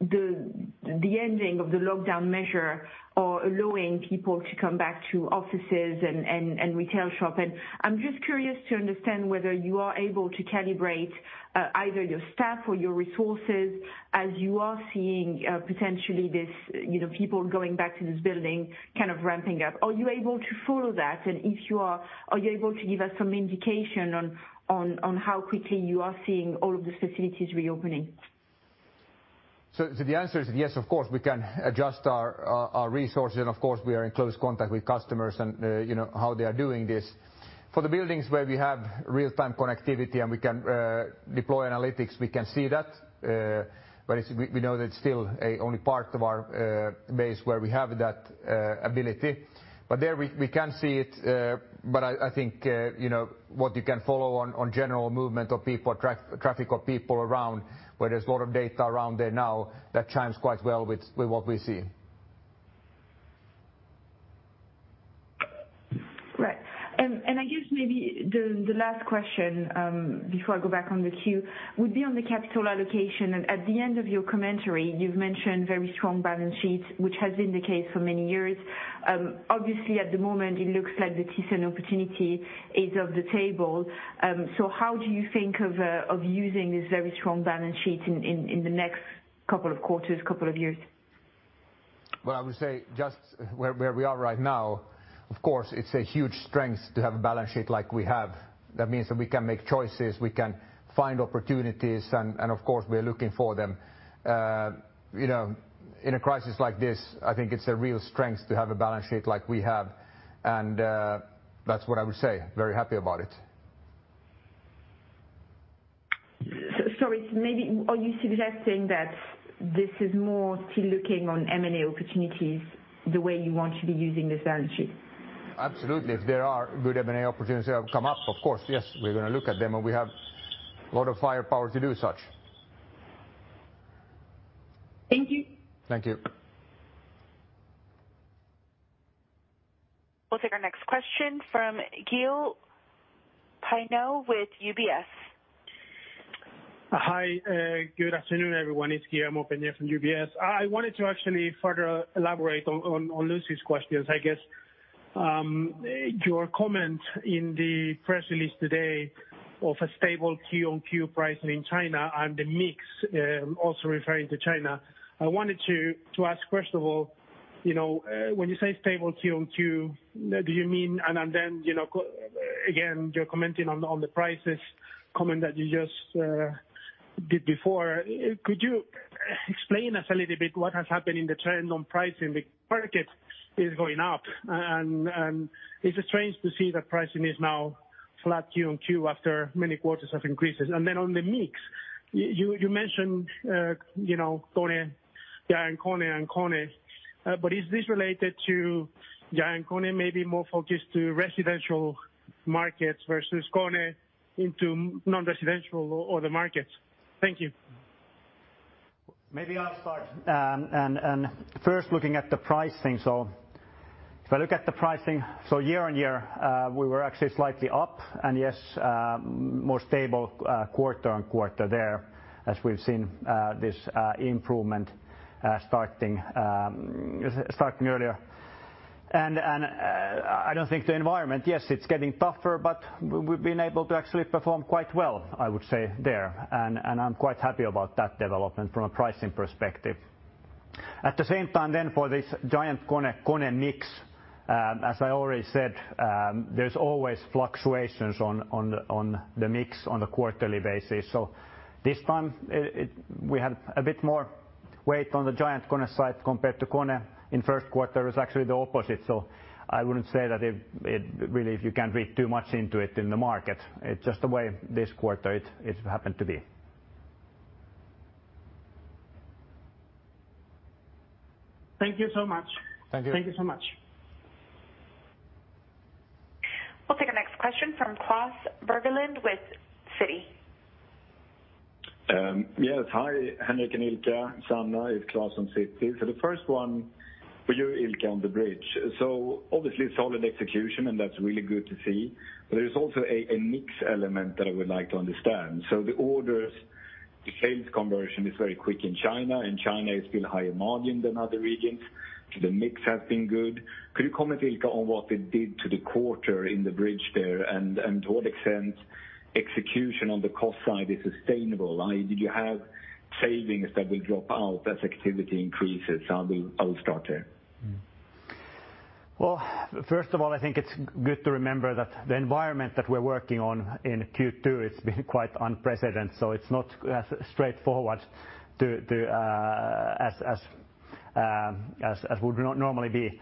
G: the ending of the lockdown measure are allowing people to come back to offices and retail shop. I'm just curious to understand whether you are able to calibrate either your staff or your resources as you are seeing potentially people going back to this building kind of ramping up. Are you able to follow that? If you are you able to give us some indication on how quickly you are seeing all of the facilities reopening?
B: The answer is yes, of course, we can adjust our resources, and of course, we are in close contact with customers and how they are doing this. For the buildings where we have real-time connectivity and we can deploy analytics, we can see that. We know that it's still only part of our base where we have that ability. There we can see it, but I think what you can follow on general movement of people, traffic of people around, where there's a lot of data around there now that chimes quite well with what we see.
G: I guess maybe the last question, before I go back on the queue, would be on the capital allocation. At the end of your commentary, you've mentioned very strong balance sheets, which has been the case for many years. Obviously, at the moment it looks like the Thyssen opportunity is off the table. How do you think of using this very strong balance sheet in the next couple of quarters, couple of years?
C: I would say just where we are right now, of course, it's a huge strength to have a balance sheet like we have. That means that we can make choices, we can find opportunities, and of course, we are looking for them. In a crisis like this, I think it's a real strength to have a balance sheet like we have, and that's what I would say. Very happy about it.
G: Sorry. Are you suggesting that this is more still looking on M&A opportunities the way you want to be using this balance sheet?
C: Absolutely. If there are good M&A opportunities that have come up, of course, yes, we're going to look at them, and we have a lot of firepower to do such.
G: Thank you.
C: Thank you.
D: We'll take our next question from Guillermo Peigneux-Lojo with UBS.
H: Hi, good afternoon, everyone. It's Guillermo Peigneux-Lojo from UBS. I wanted to actually further elaborate on Lucie's questions. I guess, your comment in the press release today of a stable Q-on-Q pricing in China and the mix, also referring to China. I wanted to ask, first of all, when you say stable Q-on-Q, and then, again, you're commenting on the prices comment that you just did before, could you explain us a little bit what has happened in the trend on pricing? The market is going up, and it's strange to see that pricing is now flat Q-on-Q after many quarters of increases. Then on the mix, you mentioned, KONE, GiantKONE and KONE. Is this related to GiantKONE maybe more focused to residential markets versus KONE into non-residential or other markets? Thank you.
C: Maybe I'll start. First looking at the pricing. If I look at the pricing, year-on-year, we were actually slightly up. Yes, more stable quarter-on-quarter there as we've seen this improvement starting earlier. I don't think the environment, yes, it's getting tougher, but we've been able to actually perform quite well, I would say, there. I'm quite happy about that development from a pricing perspective. At the same time for this GiantKONE mix, as I already said, there's always fluctuations on the mix on a quarterly basis. This time we had a bit more weight on the GiantKONE side compared to KONE. In first quarter it was actually the opposite, I wouldn't say that really you can read too much into it in the market. It's just the way this quarter it happened to be.
H: Thank you so much.
C: Thank you.
H: Thank you so much.
D: We'll take our next question from Klas Bergelind with Citi.
I: Yes. Hi, Henrik and Ilkka. Sanna. It's Klas from Citi. The first one for you, Ilkka, on the bridge. Obviously solid execution and that's really good to see. There's also a mix element that I would like to understand. The orders to sales conversion is very quick in China, and China is still higher margin than other regions. The mix has been good. Could you comment, Ilkka, on what it did to the quarter in the bridge there and to what extent execution on the cost side is sustainable? Did you have savings that will drop out as activity increases? I will start there.
C: First of all, I think it's good to remember that the environment that we're working on in Q2, it's been quite unprecedented, so it's not as straightforward as would normally be.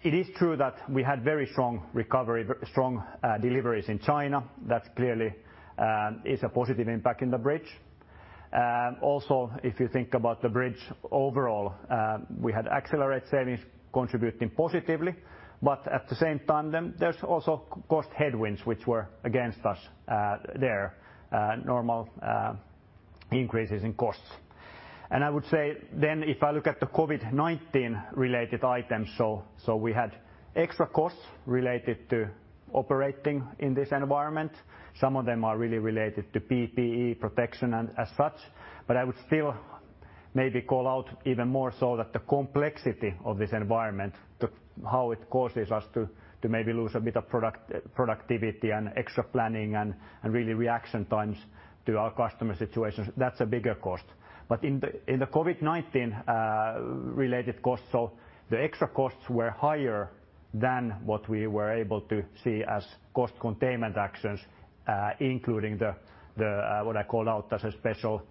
C: It is true that we had very strong recovery, strong deliveries in China. That clearly is a positive impact in the bridge. If you think about the bridge overall, we had Accelerate savings contributing positively. At the same time, there's also cost headwinds, which were against us there. Normal increases in costs. I would say then if I look at the COVID-19 related items, so we had extra costs related to operating in this environment. Some of them are really related to PPE protection and as such, but I would still maybe call out even more so that the complexity of this environment, how it causes us to maybe lose a bit of productivity and extra planning and really reaction times to our customer situations. That's a bigger cost. In the COVID-19 related costs, so the extra costs were higher than what we were able to see as cost containment actions, including what I call out as a special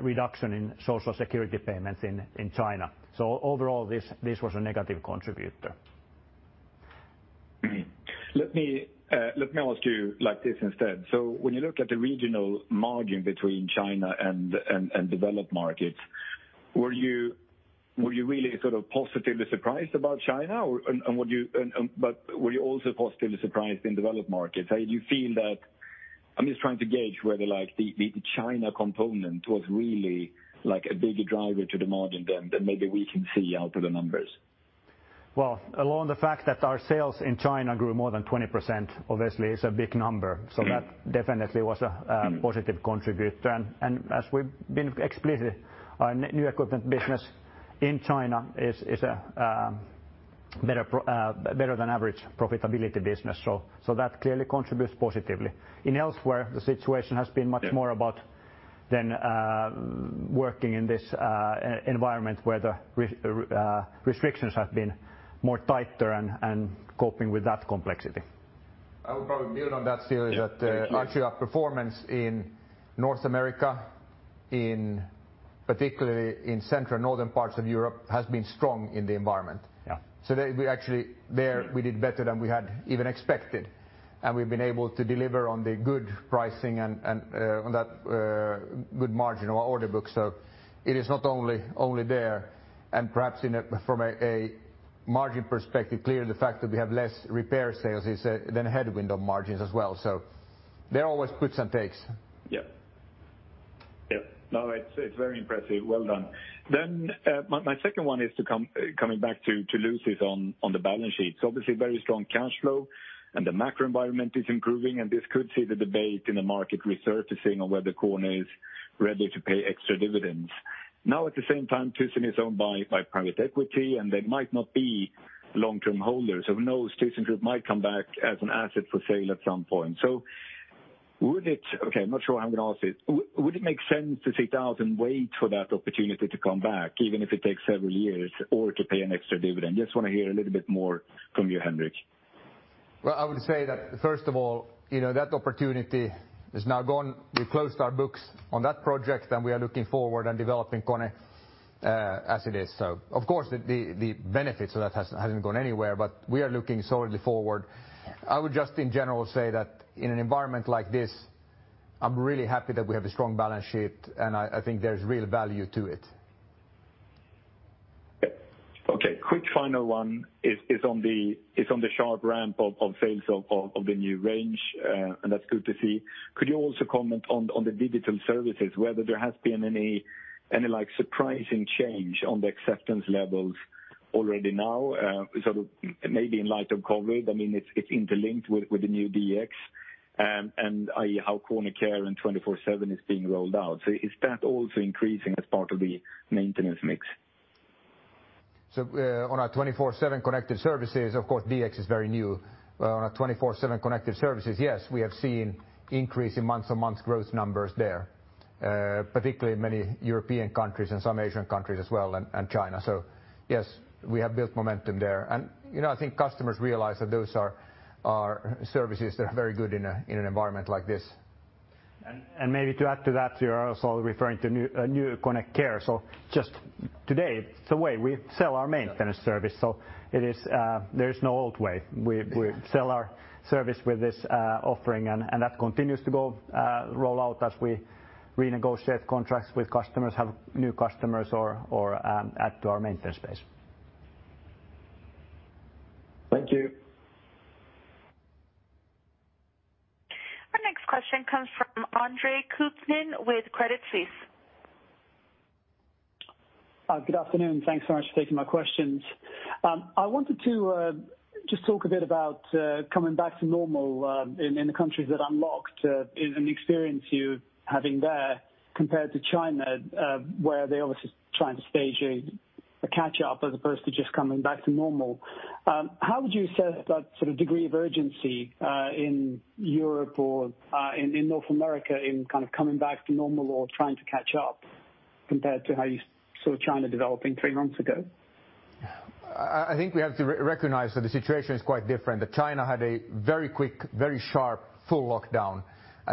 C: reduction in social security payments in China. Overall this was a negative contributor.
I: Let me ask you like this instead. When you look at the regional margin between China and developed markets, were you really sort of positively surprised about China, but were you also positively surprised in developed markets? Are you feeling that I'm just trying to gauge whether the China component was really a bigger driver to the margin than maybe we can see out of the numbers?
C: Well, along the fact that our sales in China grew more than 20% obviously is a big number. That definitely was a positive contributor. As we've been explicit, our new equipment business in China is a better than average profitability business, that clearly contributes positively. In elsewhere, the situation has been much more about than working in this environment where the restrictions have been more tighter and coping with that complexity.
B: I would probably build on that theory.
I: Yeah. Thank you
B: actually our performance in North America, particularly in central northern parts of Europe, has been strong in the environment.
I: Yeah.
B: Actually there we did better than we had even expected, and we've been able to deliver on the good pricing and on that good margin of our order book. It is not only there and perhaps from a margin perspective, clearly the fact that we have less repair sales is then a headwind on margins as well. There are always puts and takes.
I: No, it's very impressive. Well done. My second one is coming back to Lucie's on the balance sheet. Obviously very strong cash flow and the macro environment is improving, and this could see the debate in the market resurfacing on whether KONE is ready to pay extra dividends. Now at the same time, Thyssen is owned by private equity, and they might not be long-term holders. Who knows, Thyssenkrupp might come back as an asset for sale at some point. Okay, I'm not sure how I'm going to ask this. Would it make sense to sit out and wait for that opportunity to come back, even if it takes several years or to pay an extra dividend? Just want to hear a little bit more from you, Henrik.
B: Well, I would say that first of all, that opportunity is now gone. We closed our books on that project, and we are looking forward and developing KONE as it is. Of course, the benefits of that hasn't gone anywhere, but we are looking solely forward. I would just in general say that in an environment like this, I'm really happy that we have a strong balance sheet, and I think there's real value to it.
I: Okay. Quick final one is on the sharp ramp of sales of the new range. That's good to see. Could you also comment on the digital services, whether there has been any surprising change on the acceptance levels already now? Sort of maybe in light of COVID-19, it's interlinked with the new DX, and how KONE Care and 24/7 is being rolled out. Is that also increasing as part of the maintenance mix?
B: On our 24/7 Connected Services, of course, DX is very new. On our 24/7 Connected Services, yes, we have seen increase in month-to-month growth numbers there, particularly in many European countries and some Asian countries as well, and China. Yes, we have built momentum there. I think customers realize that those are services that are very good in an environment like this.
C: Maybe to add to that, you're also referring to new KONE Care. Just today, it's the way we sell our maintenance service. There is no old way. We sell our service with this offering, and that continues to roll out as we renegotiate contracts with customers, have new customers or add to our maintenance base.
I: Thank you.
D: Our next question comes from Andre Kukhnin with Credit Suisse.
J: Good afternoon. Thanks so much for taking my questions. I wanted to just talk a bit about coming back to normal in the countries that unlocked, and the experience you're having there compared to China, where they're obviously trying to stage a catch up as opposed to just coming back to normal. How would you assess that sort of degree of urgency in Europe or in North America in kind of coming back to normal or trying to catch up compared to how you saw China developing three months ago?
B: I think we have to recognize that the situation is quite different, that China had a very quick, very sharp, full lockdown,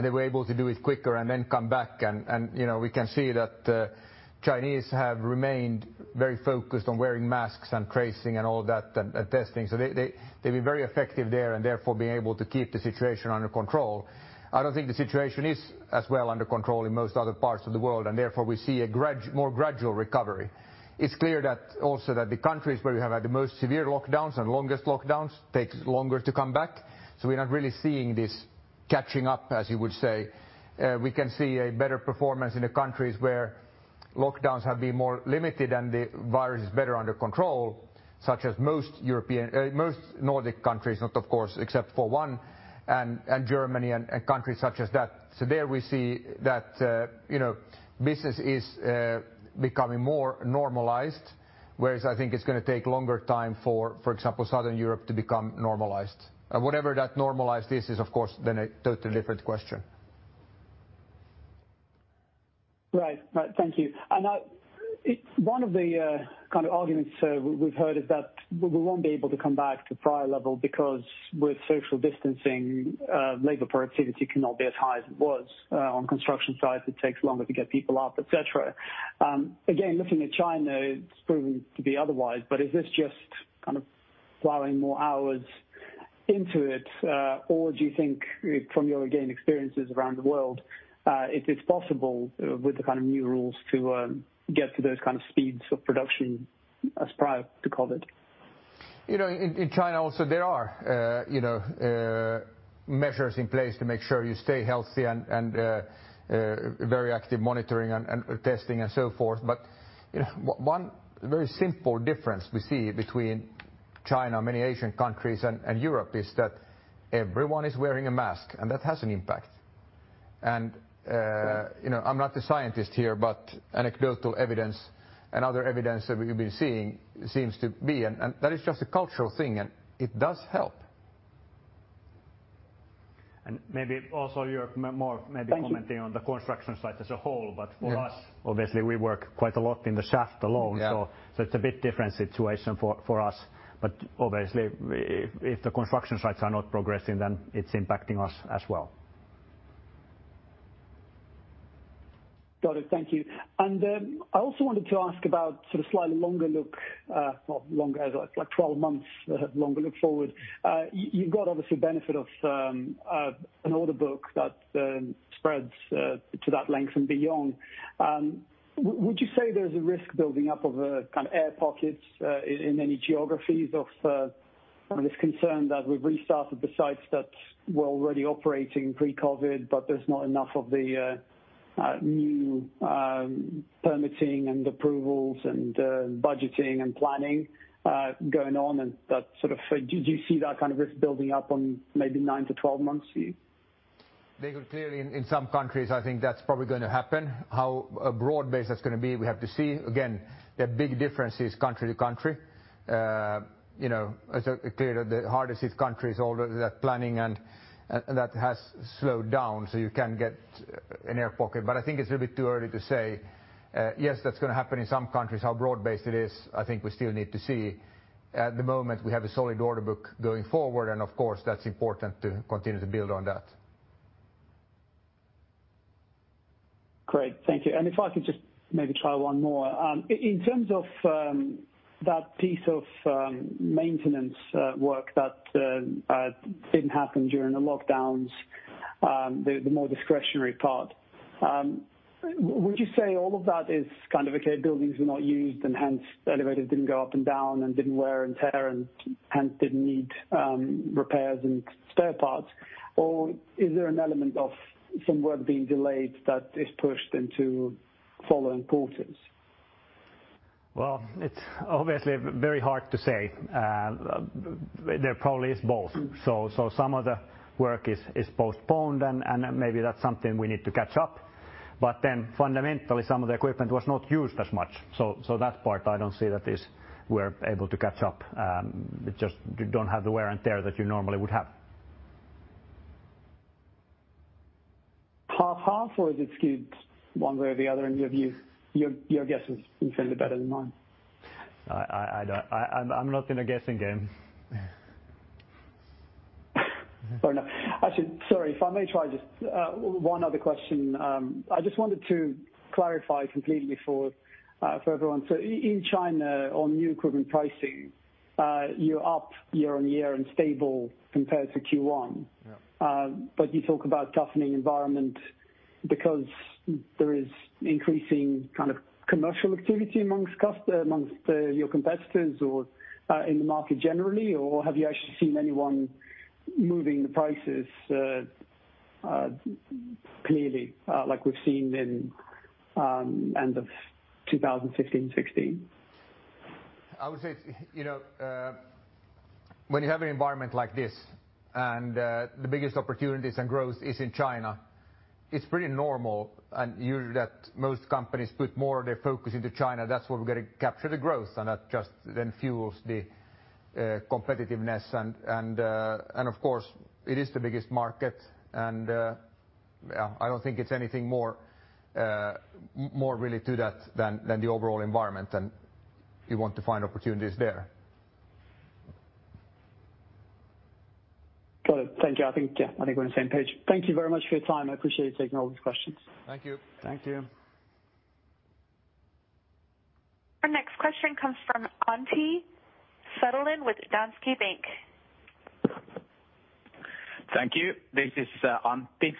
B: they were able to do it quicker and then come back. We can see that Chinese have remained very focused on wearing masks and tracing and all that, and testing. They've been very effective there and therefore being able to keep the situation under control. I don't think the situation is as well under control in most other parts of the world, therefore we see a more gradual recovery. It's clear that also that the countries where we have had the most severe lockdowns and longest lockdowns takes longer to come back. We are not really seeing this catching up, as you would say. We can see a better performance in the countries where lockdowns have been more limited, and the virus is better under control, such as most Nordic countries, not of course except for one, and Germany and countries such as that. There we see that business is becoming more normalized, whereas I think it's going to take longer time for example, Southern Europe to become normalized. Whatever that normalized is of course then a totally different question.
J: Right. Thank you. One of the kind of arguments we've heard is that we won't be able to come back to prior level because with social distancing, labor productivity cannot be as high as it was. On construction sites, it takes longer to get people up, et cetera. Again, looking at China, it's proven to be otherwise. Is this just kind of plowing more hours into it? Do you think from your, again, experiences around the world, it is possible with the kind of new rules to get to those kind of speeds of production as prior to COVID?
B: In China also, there are measures in place to make sure you stay healthy and very active monitoring and testing and so forth. One very simple difference we see between China, many Asian countries, and Europe is that everyone is wearing a mask, and that has an impact. I'm not a scientist here, but anecdotal evidence and other evidence that we've been seeing seems to be, and that is just a cultural thing, and it does help.
C: Maybe also you're more maybe commenting on the construction site as a whole, but for us, obviously, we work quite a lot in the shaft alone.
B: Yeah.
C: It's a bit different situation for us, but obviously if the construction sites are not progressing, then it's impacting us as well.
J: Got it. Thank you. I also wanted to ask about sort of slightly longer look, not longer, it's like 12 months longer look forward. You've got obviously benefit of an order book that spreads to that length and beyond. Would you say there's a risk building up of a kind of air pockets in any geographies of this concern that we've restarted the sites that were already operating pre-COVID-19, but there's not enough of the new permitting and approvals and budgeting and planning going on and that sort of Do you see that kind of risk building up on maybe 9-12 months view?
B: Clearly in some countries, I think that's probably going to happen. How broad-based that's going to be, we have to see. The big difference is country to country. It's clear that the hardest hit countries, all of that planning and that has slowed down so you can get an air pocket. I think it's a little bit too early to say. Yes, that's going to happen in some countries. How broad-based it is, I think we still need to see. At the moment, we have a solid order book going forward, and of course, that's important to continue to build on that.
J: Great. Thank you. If I could just maybe try one more. In terms of that piece of maintenance work that didn't happen during the lockdowns, the more discretionary part, would you say all of that is kind of, okay, buildings were not used and hence the elevators didn't go up and down and didn't wear and tear and hence didn't need repairs and spare parts? Or is there an element of some work being delayed that is pushed into following quarters?
C: Well, it's obviously very hard to say. There probably is both. Some of the work is postponed, and maybe that's something we need to catch up. Fundamentally, some of the equipment was not used as much. That part, I don't see that is we're able to catch up. It's just you don't have the wear and tear that you normally would have.
J: Half-half, or is it skewed one way or the other in your view? Your guess is infinitely better than mine.
C: I'm not in a guessing game.
J: Fair enough. Actually, sorry, if I may try just one other question. I just wanted to clarify completely for everyone. In China, on new equipment pricing, you're up year-on-year and stable compared to Q1.
B: Yeah.
J: You talk about toughening environment because there is increasing kind of commercial activity amongst your competitors or in the market generally, or have you actually seen anyone moving the prices clearly, like we've seen in end of 2015, 2016?
B: I would say, when you have an environment like this, and the biggest opportunities and growth is in China, it's pretty normal and usually that most companies put more of their focus into China. That's where we're going to capture the growth, that just then fuels the competitiveness. Of course, it is the biggest market, and I don't think it's anything more really to that than the overall environment, and you want to find opportunities there.
J: Got it. Thank you. I think we're on the same page. Thank you very much for your time. I appreciate you taking all these questions.
B: Thank you.
C: Thank you.
D: Our next question comes from Antti Suttelin with Danske Bank.
K: Thank you. This is Antti.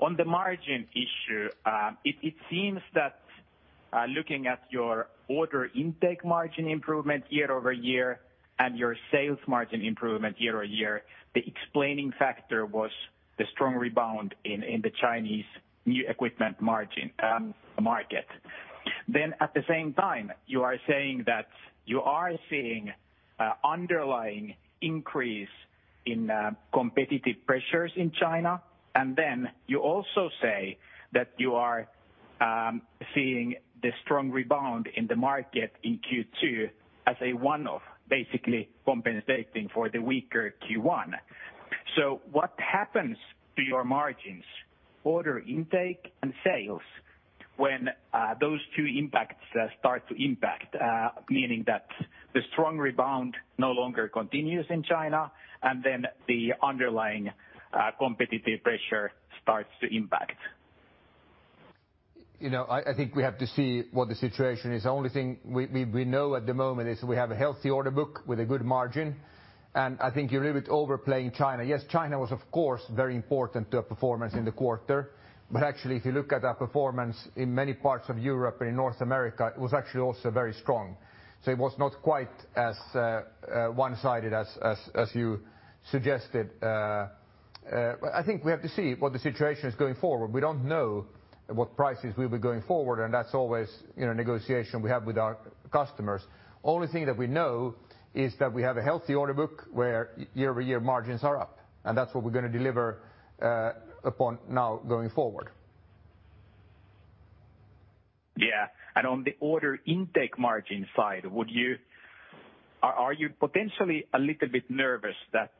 K: On the margin issue, it seems that looking at your order intake margin improvement year-over-year and your sales margin improvement year-over-year, the explaining factor was the strong rebound in the Chinese new equipment market. At the same time, you are saying that you are seeing underlying increase in competitive pressures in China, you also say that you are seeing the strong rebound in the market in Q2 as a one-off, basically compensating for the weaker Q1. What happens to your margins, order intake, and sales when those two impacts start to impact, meaning that the strong rebound no longer continues in China and the underlying competitive pressure starts to impact?
B: I think we have to see what the situation is. The only thing we know at the moment is we have a healthy order book with a good margin, and I think you're a little bit overplaying China. Yes, China was, of course, very important to our performance in the quarter. Actually, if you look at our performance in many parts of Europe and in North America, it was actually also very strong. It was not quite as one-sided as you suggested. I think we have to see what the situation is going forward. We don't know what prices will be going forward, and that's always a negotiation we have with our customers. The only thing that we know is that we have a healthy order book where year-over-year margins are up, and that's what we're going to deliver upon now going forward.
K: Yeah. On the order intake margin side, are you potentially a little bit nervous that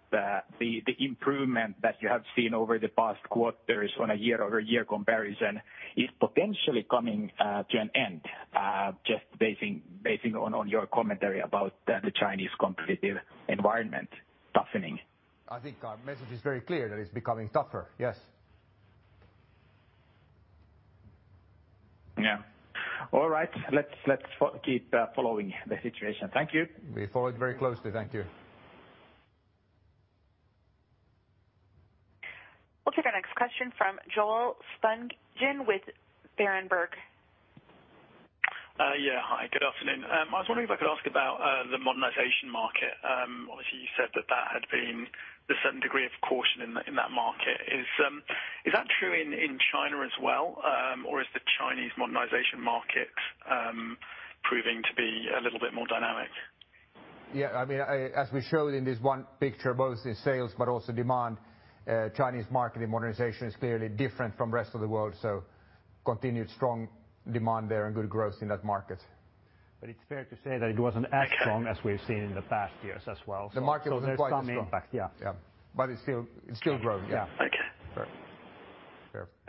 K: the improvement that you have seen over the past quarters on a year-over-year comparison is potentially coming to an end? Just basing on your commentary about the Chinese competitive environment toughening.
B: I think our message is very clear that it's becoming tougher. Yes.
K: Yeah. All right. Let's keep following the situation. Thank you.
B: We follow it very closely. Thank you.
D: We'll take our next question from Joel Spungin with Berenberg.
L: Yeah. Hi, good afternoon. I was wondering if I could ask about the modernization market. Obviously, you said that that had been a certain degree of caution in that market. Is that true in China as well? Is the Chinese modernization market proving to be a little bit more dynamic?
B: Yeah. As we showed in this one picture, both in sales but also demand, Chinese market in modernization is clearly different from rest of the world, so continued strong demand there and good growth in that market.
C: It's fair to say that it wasn't as strong as we've seen in the past years as well.
B: The market wasn't quite as strong.
C: There's some impact, yeah.
B: Yeah. It's still growing. Yeah.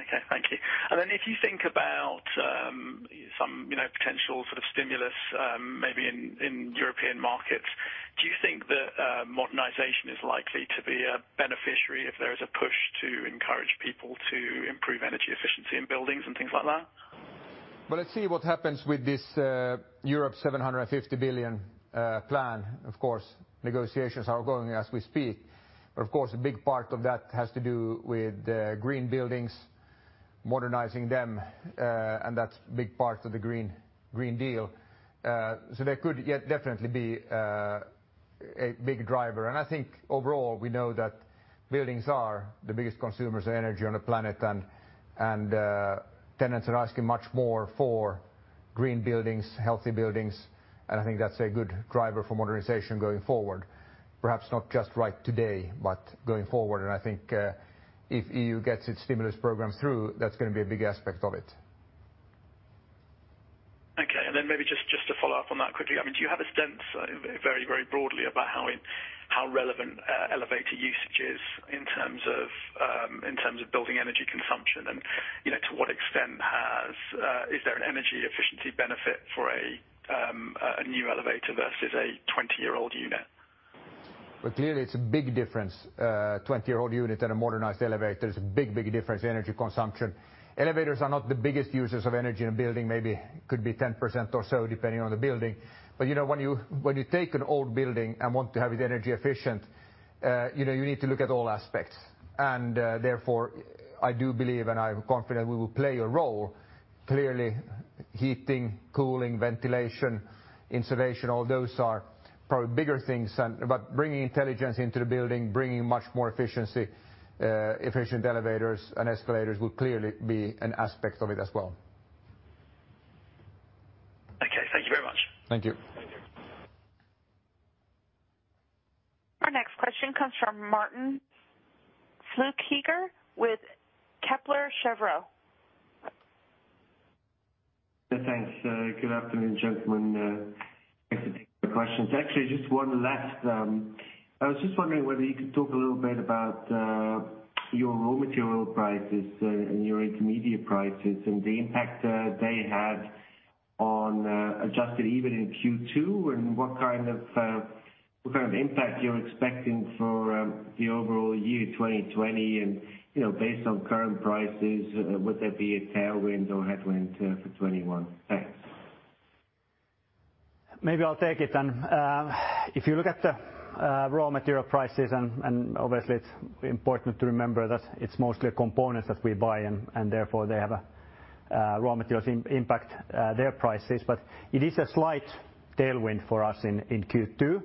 L: Okay.
B: Sure.
L: Okay, thank you. If you think about some potential sort of stimulus, maybe in European markets, do you think that modernization is likely to be a beneficiary if there is a push to encourage people to improve energy efficiency in buildings and things like that?
B: Well, let's see what happens with this European Union 750 billion plan. Of course, negotiations are going as we speak, but of course, a big part of that has to do with green buildings, modernizing them, and that's big part of the European Green Deal. There could definitely be a big driver. I think overall, we know that buildings are the biggest consumers of energy on the planet, and tenants are asking much more for green buildings, healthy buildings, and I think that's a good driver for modernization going forward. Perhaps not just right today, but going forward. I think, if EU gets its stimulus programs through, that's going to be a big aspect of it.
L: Okay, maybe just to follow up on that quickly. Do you have a sense, very broadly, about how relevant elevator usage is in terms of building energy consumption and to what extent is there an energy efficiency benefit for a new elevator versus a 20-year-old unit?
B: Well, clearly it's a big difference, a 20-year-old unit and a modernized elevator. There's a big difference in energy consumption. Elevators are not the biggest users of energy in a building. Maybe could be 10% or so, depending on the building. When you take an old building and want to have it energy efficient, you need to look at all aspects. Therefore, I do believe, and I'm confident we will play a role. Clearly, heating, cooling, ventilation, insulation, all those are probably bigger things. Bringing intelligence into the building, bringing much more efficiency, efficient elevators and escalators will clearly be an aspect of it as well.
L: Okay, thank you very much.
B: Thank you.
D: Our next question comes from Martin Flueckiger with Kepler Cheuvreux.
M: Yeah, thanks. Good afternoon, gentlemen. Thanks for taking the questions. Actually, just one last, I was just wondering whether you could talk a little bit about your raw material prices and your intermediate prices and the impact they had on Adjusted EBITDA in Q2, and what kind of impact you're expecting for the overall year 2020, and based on current prices, would there be a tailwind or headwind for 2021? Thanks.
C: Maybe I'll take it. If you look at the raw material prices, and obviously it's important to remember that it's mostly components that we buy, and therefore raw materials impact their prices. It is a slight tailwind for us in Q2,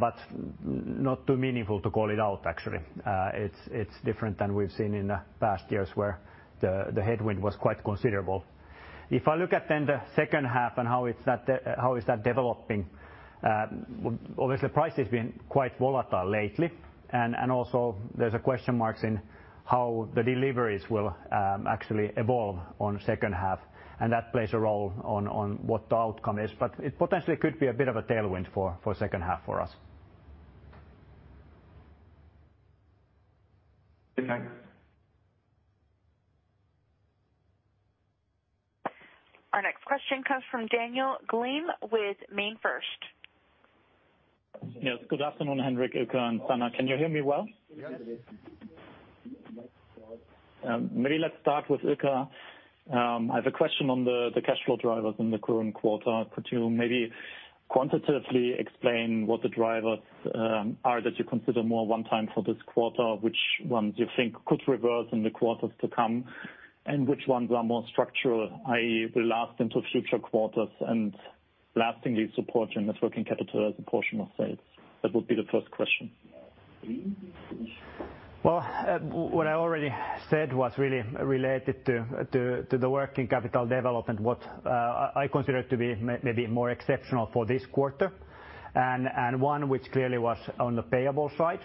C: but not too meaningful to call it out, actually. It's different than we've seen in the past years where the headwind was quite considerable. If I look at then the second half and how is that developing, obviously price has been quite volatile lately, and also there's question marks in how the deliveries will actually evolve on second half, and that plays a role on what the outcome is. It potentially could be a bit of a tailwind for second half for us.
M: Okay, thanks.
D: Our next question comes from Daniel Gleim with MainFirst.
N: Yes. Good afternoon, Henrik, Ilkka, and Sanna. Can you hear me well?
C: Yes.
N: Maybe let's start with Ilkka. I have a question on the cash flow drivers in the current quarter. Could you maybe quantitatively explain what the drivers are that you consider more one time for this quarter, which ones you think could reverse in the quarters to come, and which ones are more structural, i.e., will last into future quarters and lastingly support the net working capital as a portion of sales? That would be the first question.
C: What I already said was really related to the working capital development, what I consider to be maybe more exceptional for this quarter, and one which clearly was on the payable side,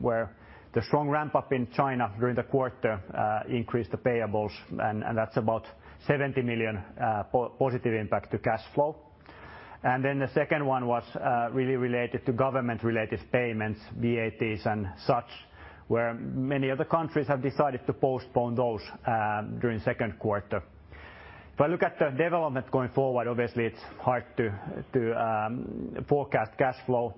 C: where the strong ramp-up in China during the quarter increased the payables, and that's about 70 million positive impact to cash flow. The second one was really related to government-related payments, VATs and such, where many other countries have decided to postpone those during second quarter. If I look at the development going forward, obviously, it's hard to forecast cash flow.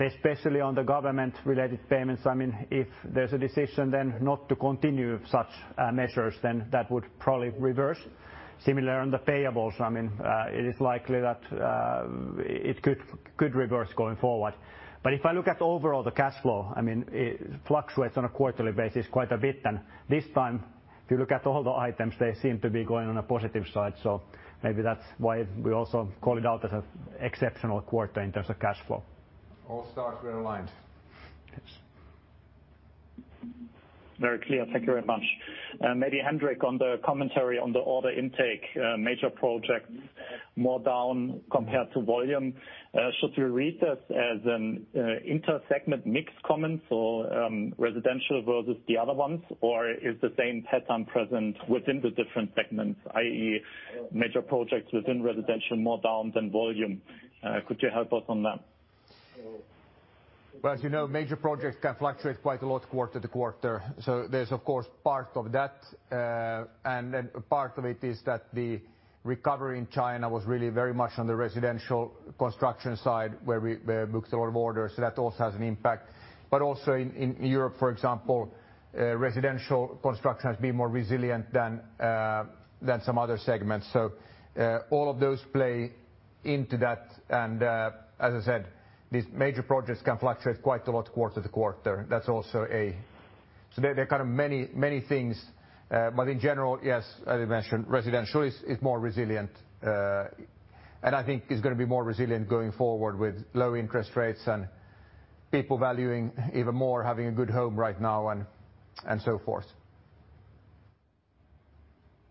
C: Especially on the government-related payments, if there's a decision then not to continue such measures, then that would probably reverse. Similar on the payables. It is likely that it could reverse going forward. If I look at overall the cash flow, it fluctuates on a quarterly basis quite a bit. This time, if you look at all the items, they seem to be going on a positive side. Maybe that's why we also call it out as an exceptional quarter in terms of cash flow.
B: All stars were aligned.
C: Yes.
N: Very clear. Thank you very much. Maybe Henrik, on the commentary on the order intake, major project, more down compared to volume. Should we read that as an inter-segment mixed comment? Residential versus the other ones, or is the same pattern present within the different segments, i.e., major projects within residential more down than volume? Could you help us on that?
B: Well, as you know, major projects can fluctuate quite a lot quarter to quarter. There's of course, part of that. Then a part of it is that the recovery in China was really very much on the residential construction side, where we book sort of orders, so that also has an impact. Also in Europe, for example, residential construction has been more resilient than some other segments. All of those play into that. As I said, these major projects can fluctuate quite a lot quarter to quarter. There are kind of many things. In general, yes, as you mentioned, residential is more resilient. I think it's going to be more resilient going forward with low interest rates and people valuing even more, having a good home right now and so forth.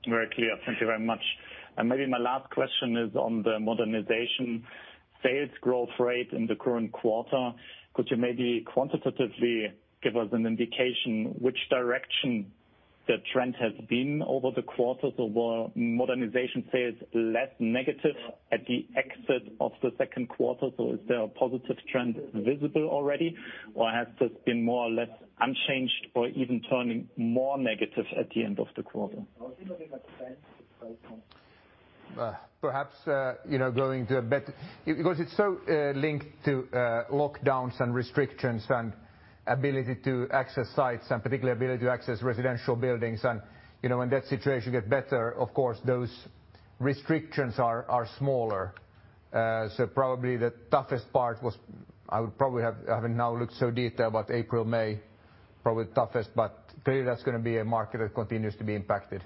N: Very clear. Thank you very much. Maybe my last question is on the modernization sales growth rate in the current quarter. Could you maybe quantitatively give us an indication which direction the trend has been over the quarters of our modernization sales less negative at the exit of the second quarter? Is there a positive trend visible already, or has this been more or less unchanged or even turning more negative at the end of the quarter?
B: Perhaps, going to a bet. It's so linked to lockdowns and restrictions and ability to access sites and particularly ability to access residential buildings and, when that situation get better, of course, those restrictions are smaller. Probably the toughest part was, I would probably have now looked so detailed about April, May, probably toughest, but clearly that's going to be a market that continues to be impacted.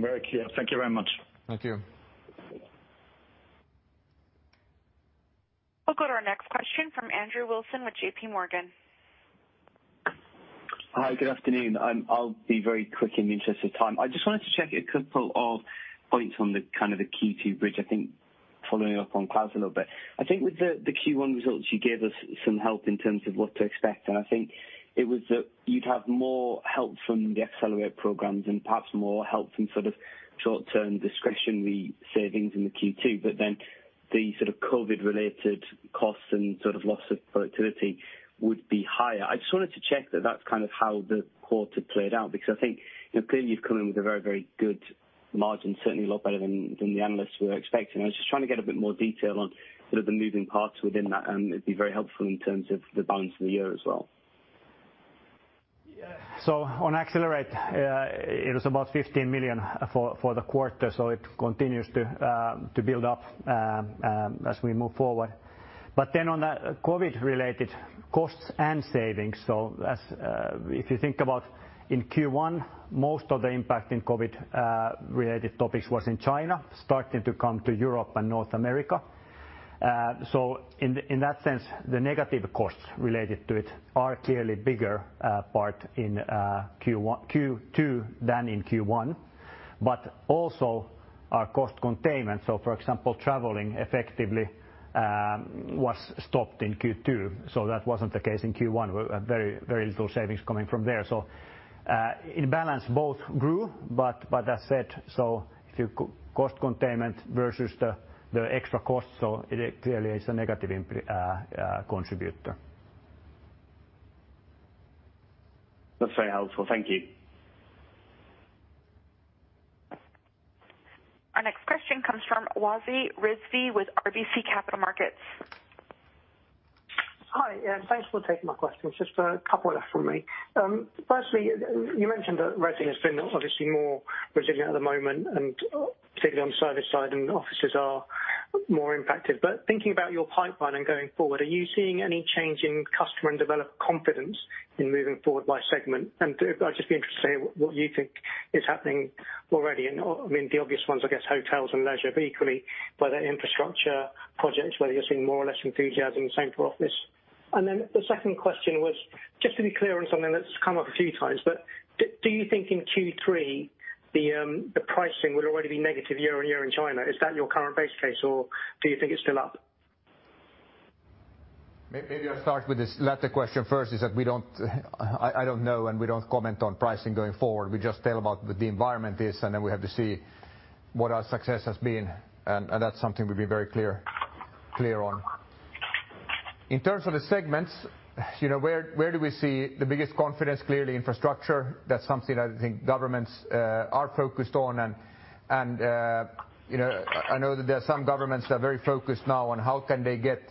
N: Very clear. Thank you very much.
B: Thank you.
D: We'll go to our next question from Andrew Wilson with JP Morgan.
O: Hi, good afternoon. I'll be very quick in the interest of time. I just wanted to check a couple of points on the kind of the Q2 bridge, I think following up on Klas a little bit. I think with the Q1 results, you gave us some help in terms of what to expect, and I think it was that you'd have more help from the Accelerate programs and perhaps more help from sort of short-term discretionary savings in the Q2, but then the sort of COVID related costs and sort of loss of productivity would be higher. I just wanted to check that that's kind of how the quarter played out, because I think, clearly you've come in with a very, very good margin, certainly a lot better than the analysts were expecting. I was just trying to get a bit more detail on sort of the moving parts within that, and it'd be very helpful in terms of the balance of the year as well.
C: On Accelerate, it was about 15 million for the quarter. It continues to build up as we move forward. On the COVID related costs and savings. As if you think about in Q1, most of the impact in COVID related topics was in China, starting to come to Europe and North America. In that sense, the negative costs related to it are clearly bigger part in Q2 than in Q1, but also our cost containment. For example, traveling effectively was stopped in Q2. That wasn't the case in Q1. Very little savings coming from there. In balance, both grew, but as said, so if you cost containment versus the extra cost, so it clearly is a negative contributor.
O: That's very helpful. Thank you.
D: Our next question comes from Wajid Rizvi with RBC Capital Markets.
P: Hi, thanks for taking my questions. Just a couple left for me. Firstly, you mentioned that resi has been obviously more resilient at the moment, and particularly on the service side and offices are more impacted. Thinking about your pipeline and going forward, are you seeing any change in customer and developer confidence in moving forward by segment? I'd just be interested to hear what you think is happening already, and the obvious ones, I guess, hotels and leisure, but equally by the infrastructure projects, whether you're seeing more or less enthusiasm, the same for office. The second question was, just to be clear on something that's come up a few times, but do you think in Q3 the pricing will already be negative year-on-year in China? Is that your current base case or do you think it's still up?
B: Maybe I'll start with this latter question first, is that I don't know, and we don't comment on pricing going forward. We just tell about what the environment is, and then we have to see what our success has been, and that's something we've been very clear on. In terms of the segments, where do we see the biggest confidence? Clearly infrastructure. That's something I think governments are focused on, and I know that there are some governments that are very focused now on how can they get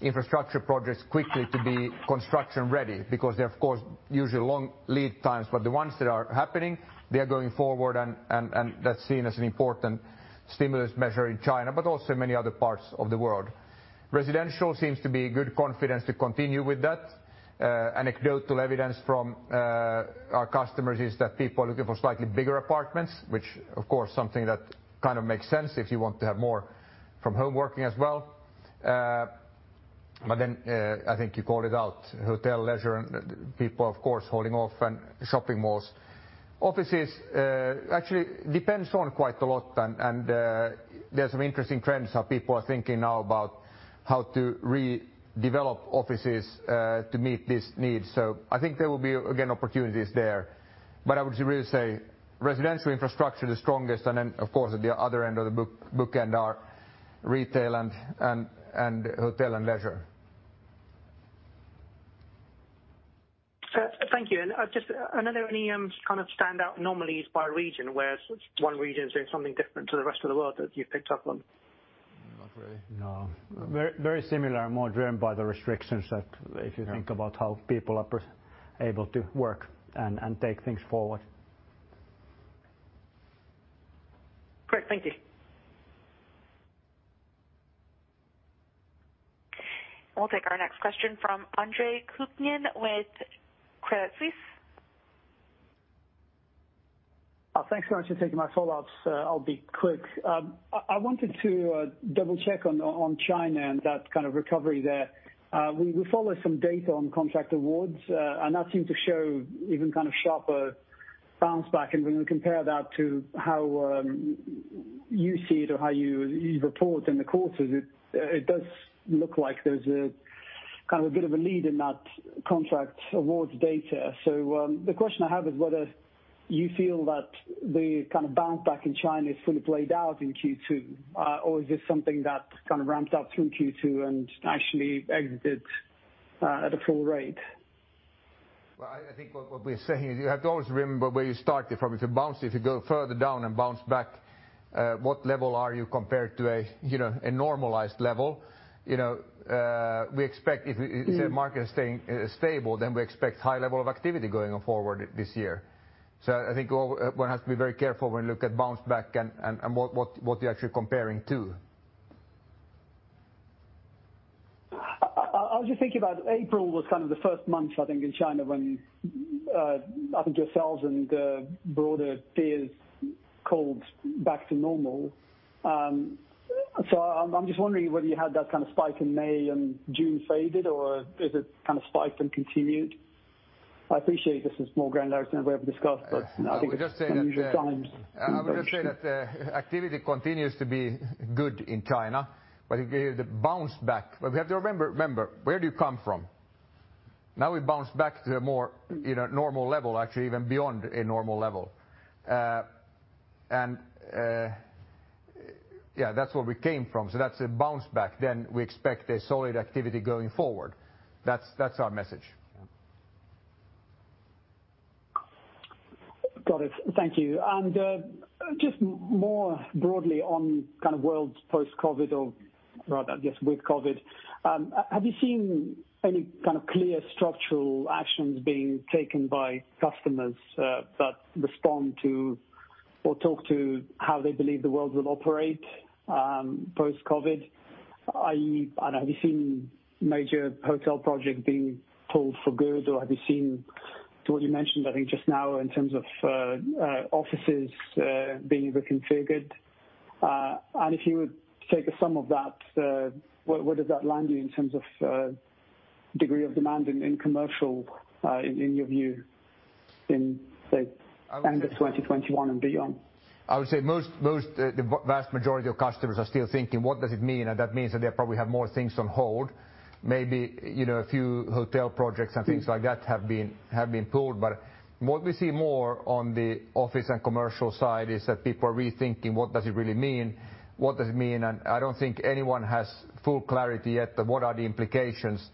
B: infrastructure projects quickly to be construction-ready, because they're, of course, usually long lead times, but the ones that are happening, they're going forward and that's seen as an important stimulus measure in China, but also many other parts of the world. Residential seems to be good confidence to continue with that. Anecdotal evidence from our customers is that people are looking for slightly bigger apartments, which of course something that kind of makes sense if you want to have more from home working as well. I think you called it out, hotel, leisure, and people, of course, holding off and shopping malls. Offices, actually depends on quite a lot, and there's some interesting trends how people are thinking now about how to redevelop offices to meet this need. I think there will be again, opportunities there. I would really say residential infrastructure the strongest, and then of course, at the other end of the bookend are retail and hotel and leisure.
P: Thank you. Just are there any kind of standout anomalies by region where one region is doing something different to the rest of the world that you've picked up on?
B: Not really.
C: No. Very similar, more driven by the restrictions that if you think about how people are able to work and take things forward.
P: Great. Thank you.
D: We'll take our next question from Andre Kukhnin with Credit Suisse.
J: Thanks very much for taking my call. I'll be quick. I wanted to double-check on China and that kind of recovery there. We follow some data on contract awards, and that seems to show even sharper bounce back. When we compare that to how you see it or how you report in the quarters, it does look like there's a bit of a lead in that contract awards data. The question I have is whether you feel that the kind of bounce back in China is fully played out in Q2, or is this something that kind of ramped up through Q2 and actually exited at a full rate?
B: Well, I think what we're saying is you have to always remember where you started from. If you bounce, if you go further down and bounce back, what level are you compared to a normalized level? We expect if the market is staying stable, we expect high level of activity going forward this year. I think one has to be very careful when you look at bounce back and what you're actually comparing to.
J: I was just thinking about April was kind of the first month, I think, in China when up until [cells] broader tiers called back to normal. I'm just wondering whether you had that kind of spike in May and June faded, or is it kind of spiked and continued? I appreciate this is more granular than we ever discussed, but I think it's unusual times.
B: I would just say that the activity continues to be good in China, it gave it a bounce back. We have to remember, where do you come from? Now we bounce back to a more normal level, actually, even beyond a normal level. Yeah, that's where we came from. That's a bounce back, we expect a solid activity going forward. That's our message.
J: Got it. Thank you. Just more broadly on kind of world post-COVID, or rather, I guess, with COVID, have you seen any kind of clear structural actions being taken by customers that respond to or talk to how they believe the world will operate post-COVID? I.e., have you seen major hotel project being pulled for good, or have you seen to what you mentioned, I think just now in terms of offices being reconfigured? If you would take a sum of that, where does that land you in terms of degree of demand in commercial, in your view in, say, end of 2021 and beyond?
B: I would say the vast majority of customers are still thinking, "What does it mean?" That means that they probably have more things on hold. Maybe a few hotel projects and things like that have been pulled. What we see more on the office and commercial side is that people are rethinking what does it really mean, what does it mean? I don't think anyone has full clarity yet of what are the implications.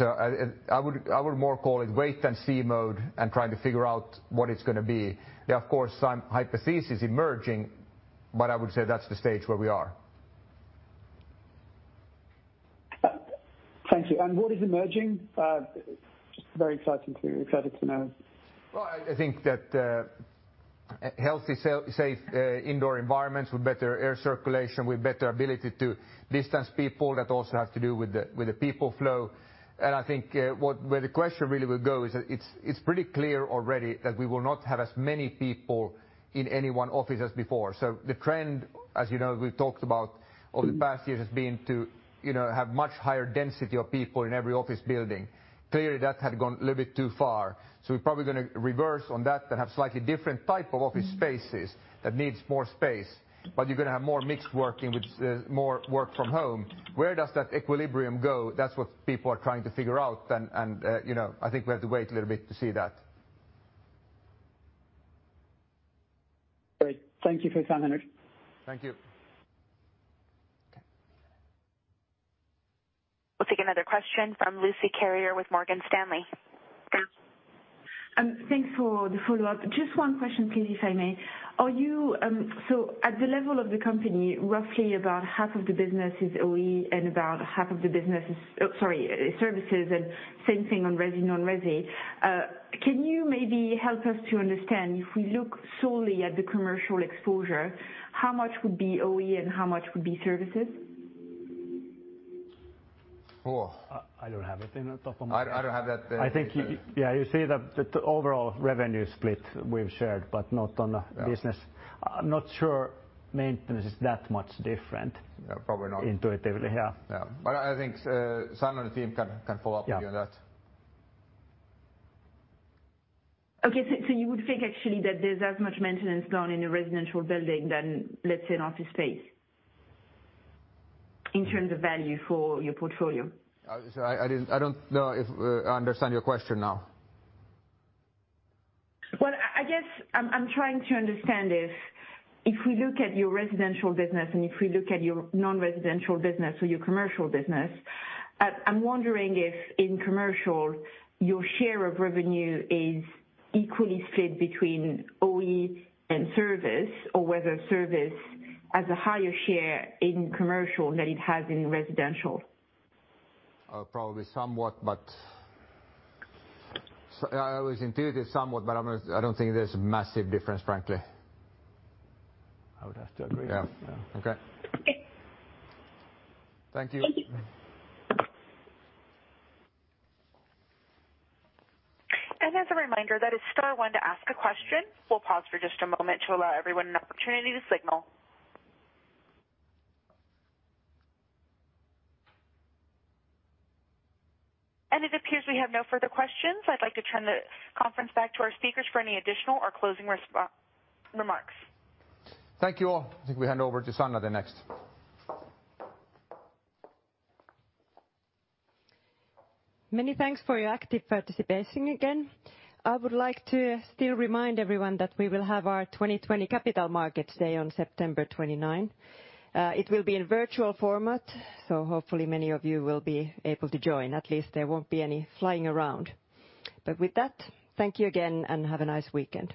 B: I would more call it wait and see mode and trying to figure out what it's going to be. There are, of course, some hypotheses emerging, but I would say that's the stage where we are.
J: Thank you. What is emerging? Just very excited to know.
B: I think that healthy, safe indoor environments with better air circulation, with better ability to distance people, that also have to do with the people flow. I think where the question really will go is that it's pretty clear already that we will not have as many people in any one office as before. The trend, as you know, we've talked about over the past years, has been to have much higher density of people in every office building. Clearly, that had gone a little bit too far. We're probably going to reverse on that and have slightly different type of office spaces that needs more space. You're going to have more mixed working with more work from home. Where does that equilibrium go? That's what people are trying to figure out. I think we have to wait a little bit to see that.
J: Great. Thank you for your time, Henrik.
B: Thank you.
D: We'll take another question from Lucie Carrier with Morgan Stanley.
G: Thanks for the follow-up. Just one question, please, if I may. At the level of the company, roughly about half of the business is OE and about half of the business is, sorry, services, and same thing on resi, non-resi. Can you maybe help us to understand, if we look solely at the commercial exposure, how much would be OE and how much would be services?
B: Oh.
C: I don't have it in the top of.
B: I don't have that.
C: I think, yeah, you see the overall revenue split we've shared, but not on the business.
B: Yeah.
C: I'm not sure maintenance is that much different.
B: Yeah, probably not.
C: Intuitively, yeah.
B: Yeah. I think Sanna and the team can follow up with you on that.
G: You would think actually that there's as much maintenance done in a residential building than, let's say, an office space, in terms of value for your portfolio?
B: Sorry, I don't know if I understand your question now.
G: Well, I guess I'm trying to understand if we look at your residential business and if we look at your non-residential business or your commercial business, I'm wondering if in commercial, your share of revenue is equally split between OE and service, or whether service has a higher share in commercial than it has in residential.
B: Probably somewhat, but I always intuitive somewhat, but I don't think there's a massive difference, frankly.
C: I would have to agree.
B: Yeah. Okay.
G: Okay.
B: Thank you.
G: Thank you.
D: As a reminder, that is star one to ask a question. We'll pause for just a moment to allow everyone an opportunity to signal. It appears we have no further questions. I'd like to turn the conference back to our speakers for any additional or closing remarks.
B: Thank you all. I think we hand over to Sanna the next.
A: Many thanks for your active participation again. I would like to still remind everyone that we will have our 2020 Capital Markets Day on September 29. Hopefully many of you will be able to join. At least there won't be any flying around. With that, thank you again, and have a nice weekend.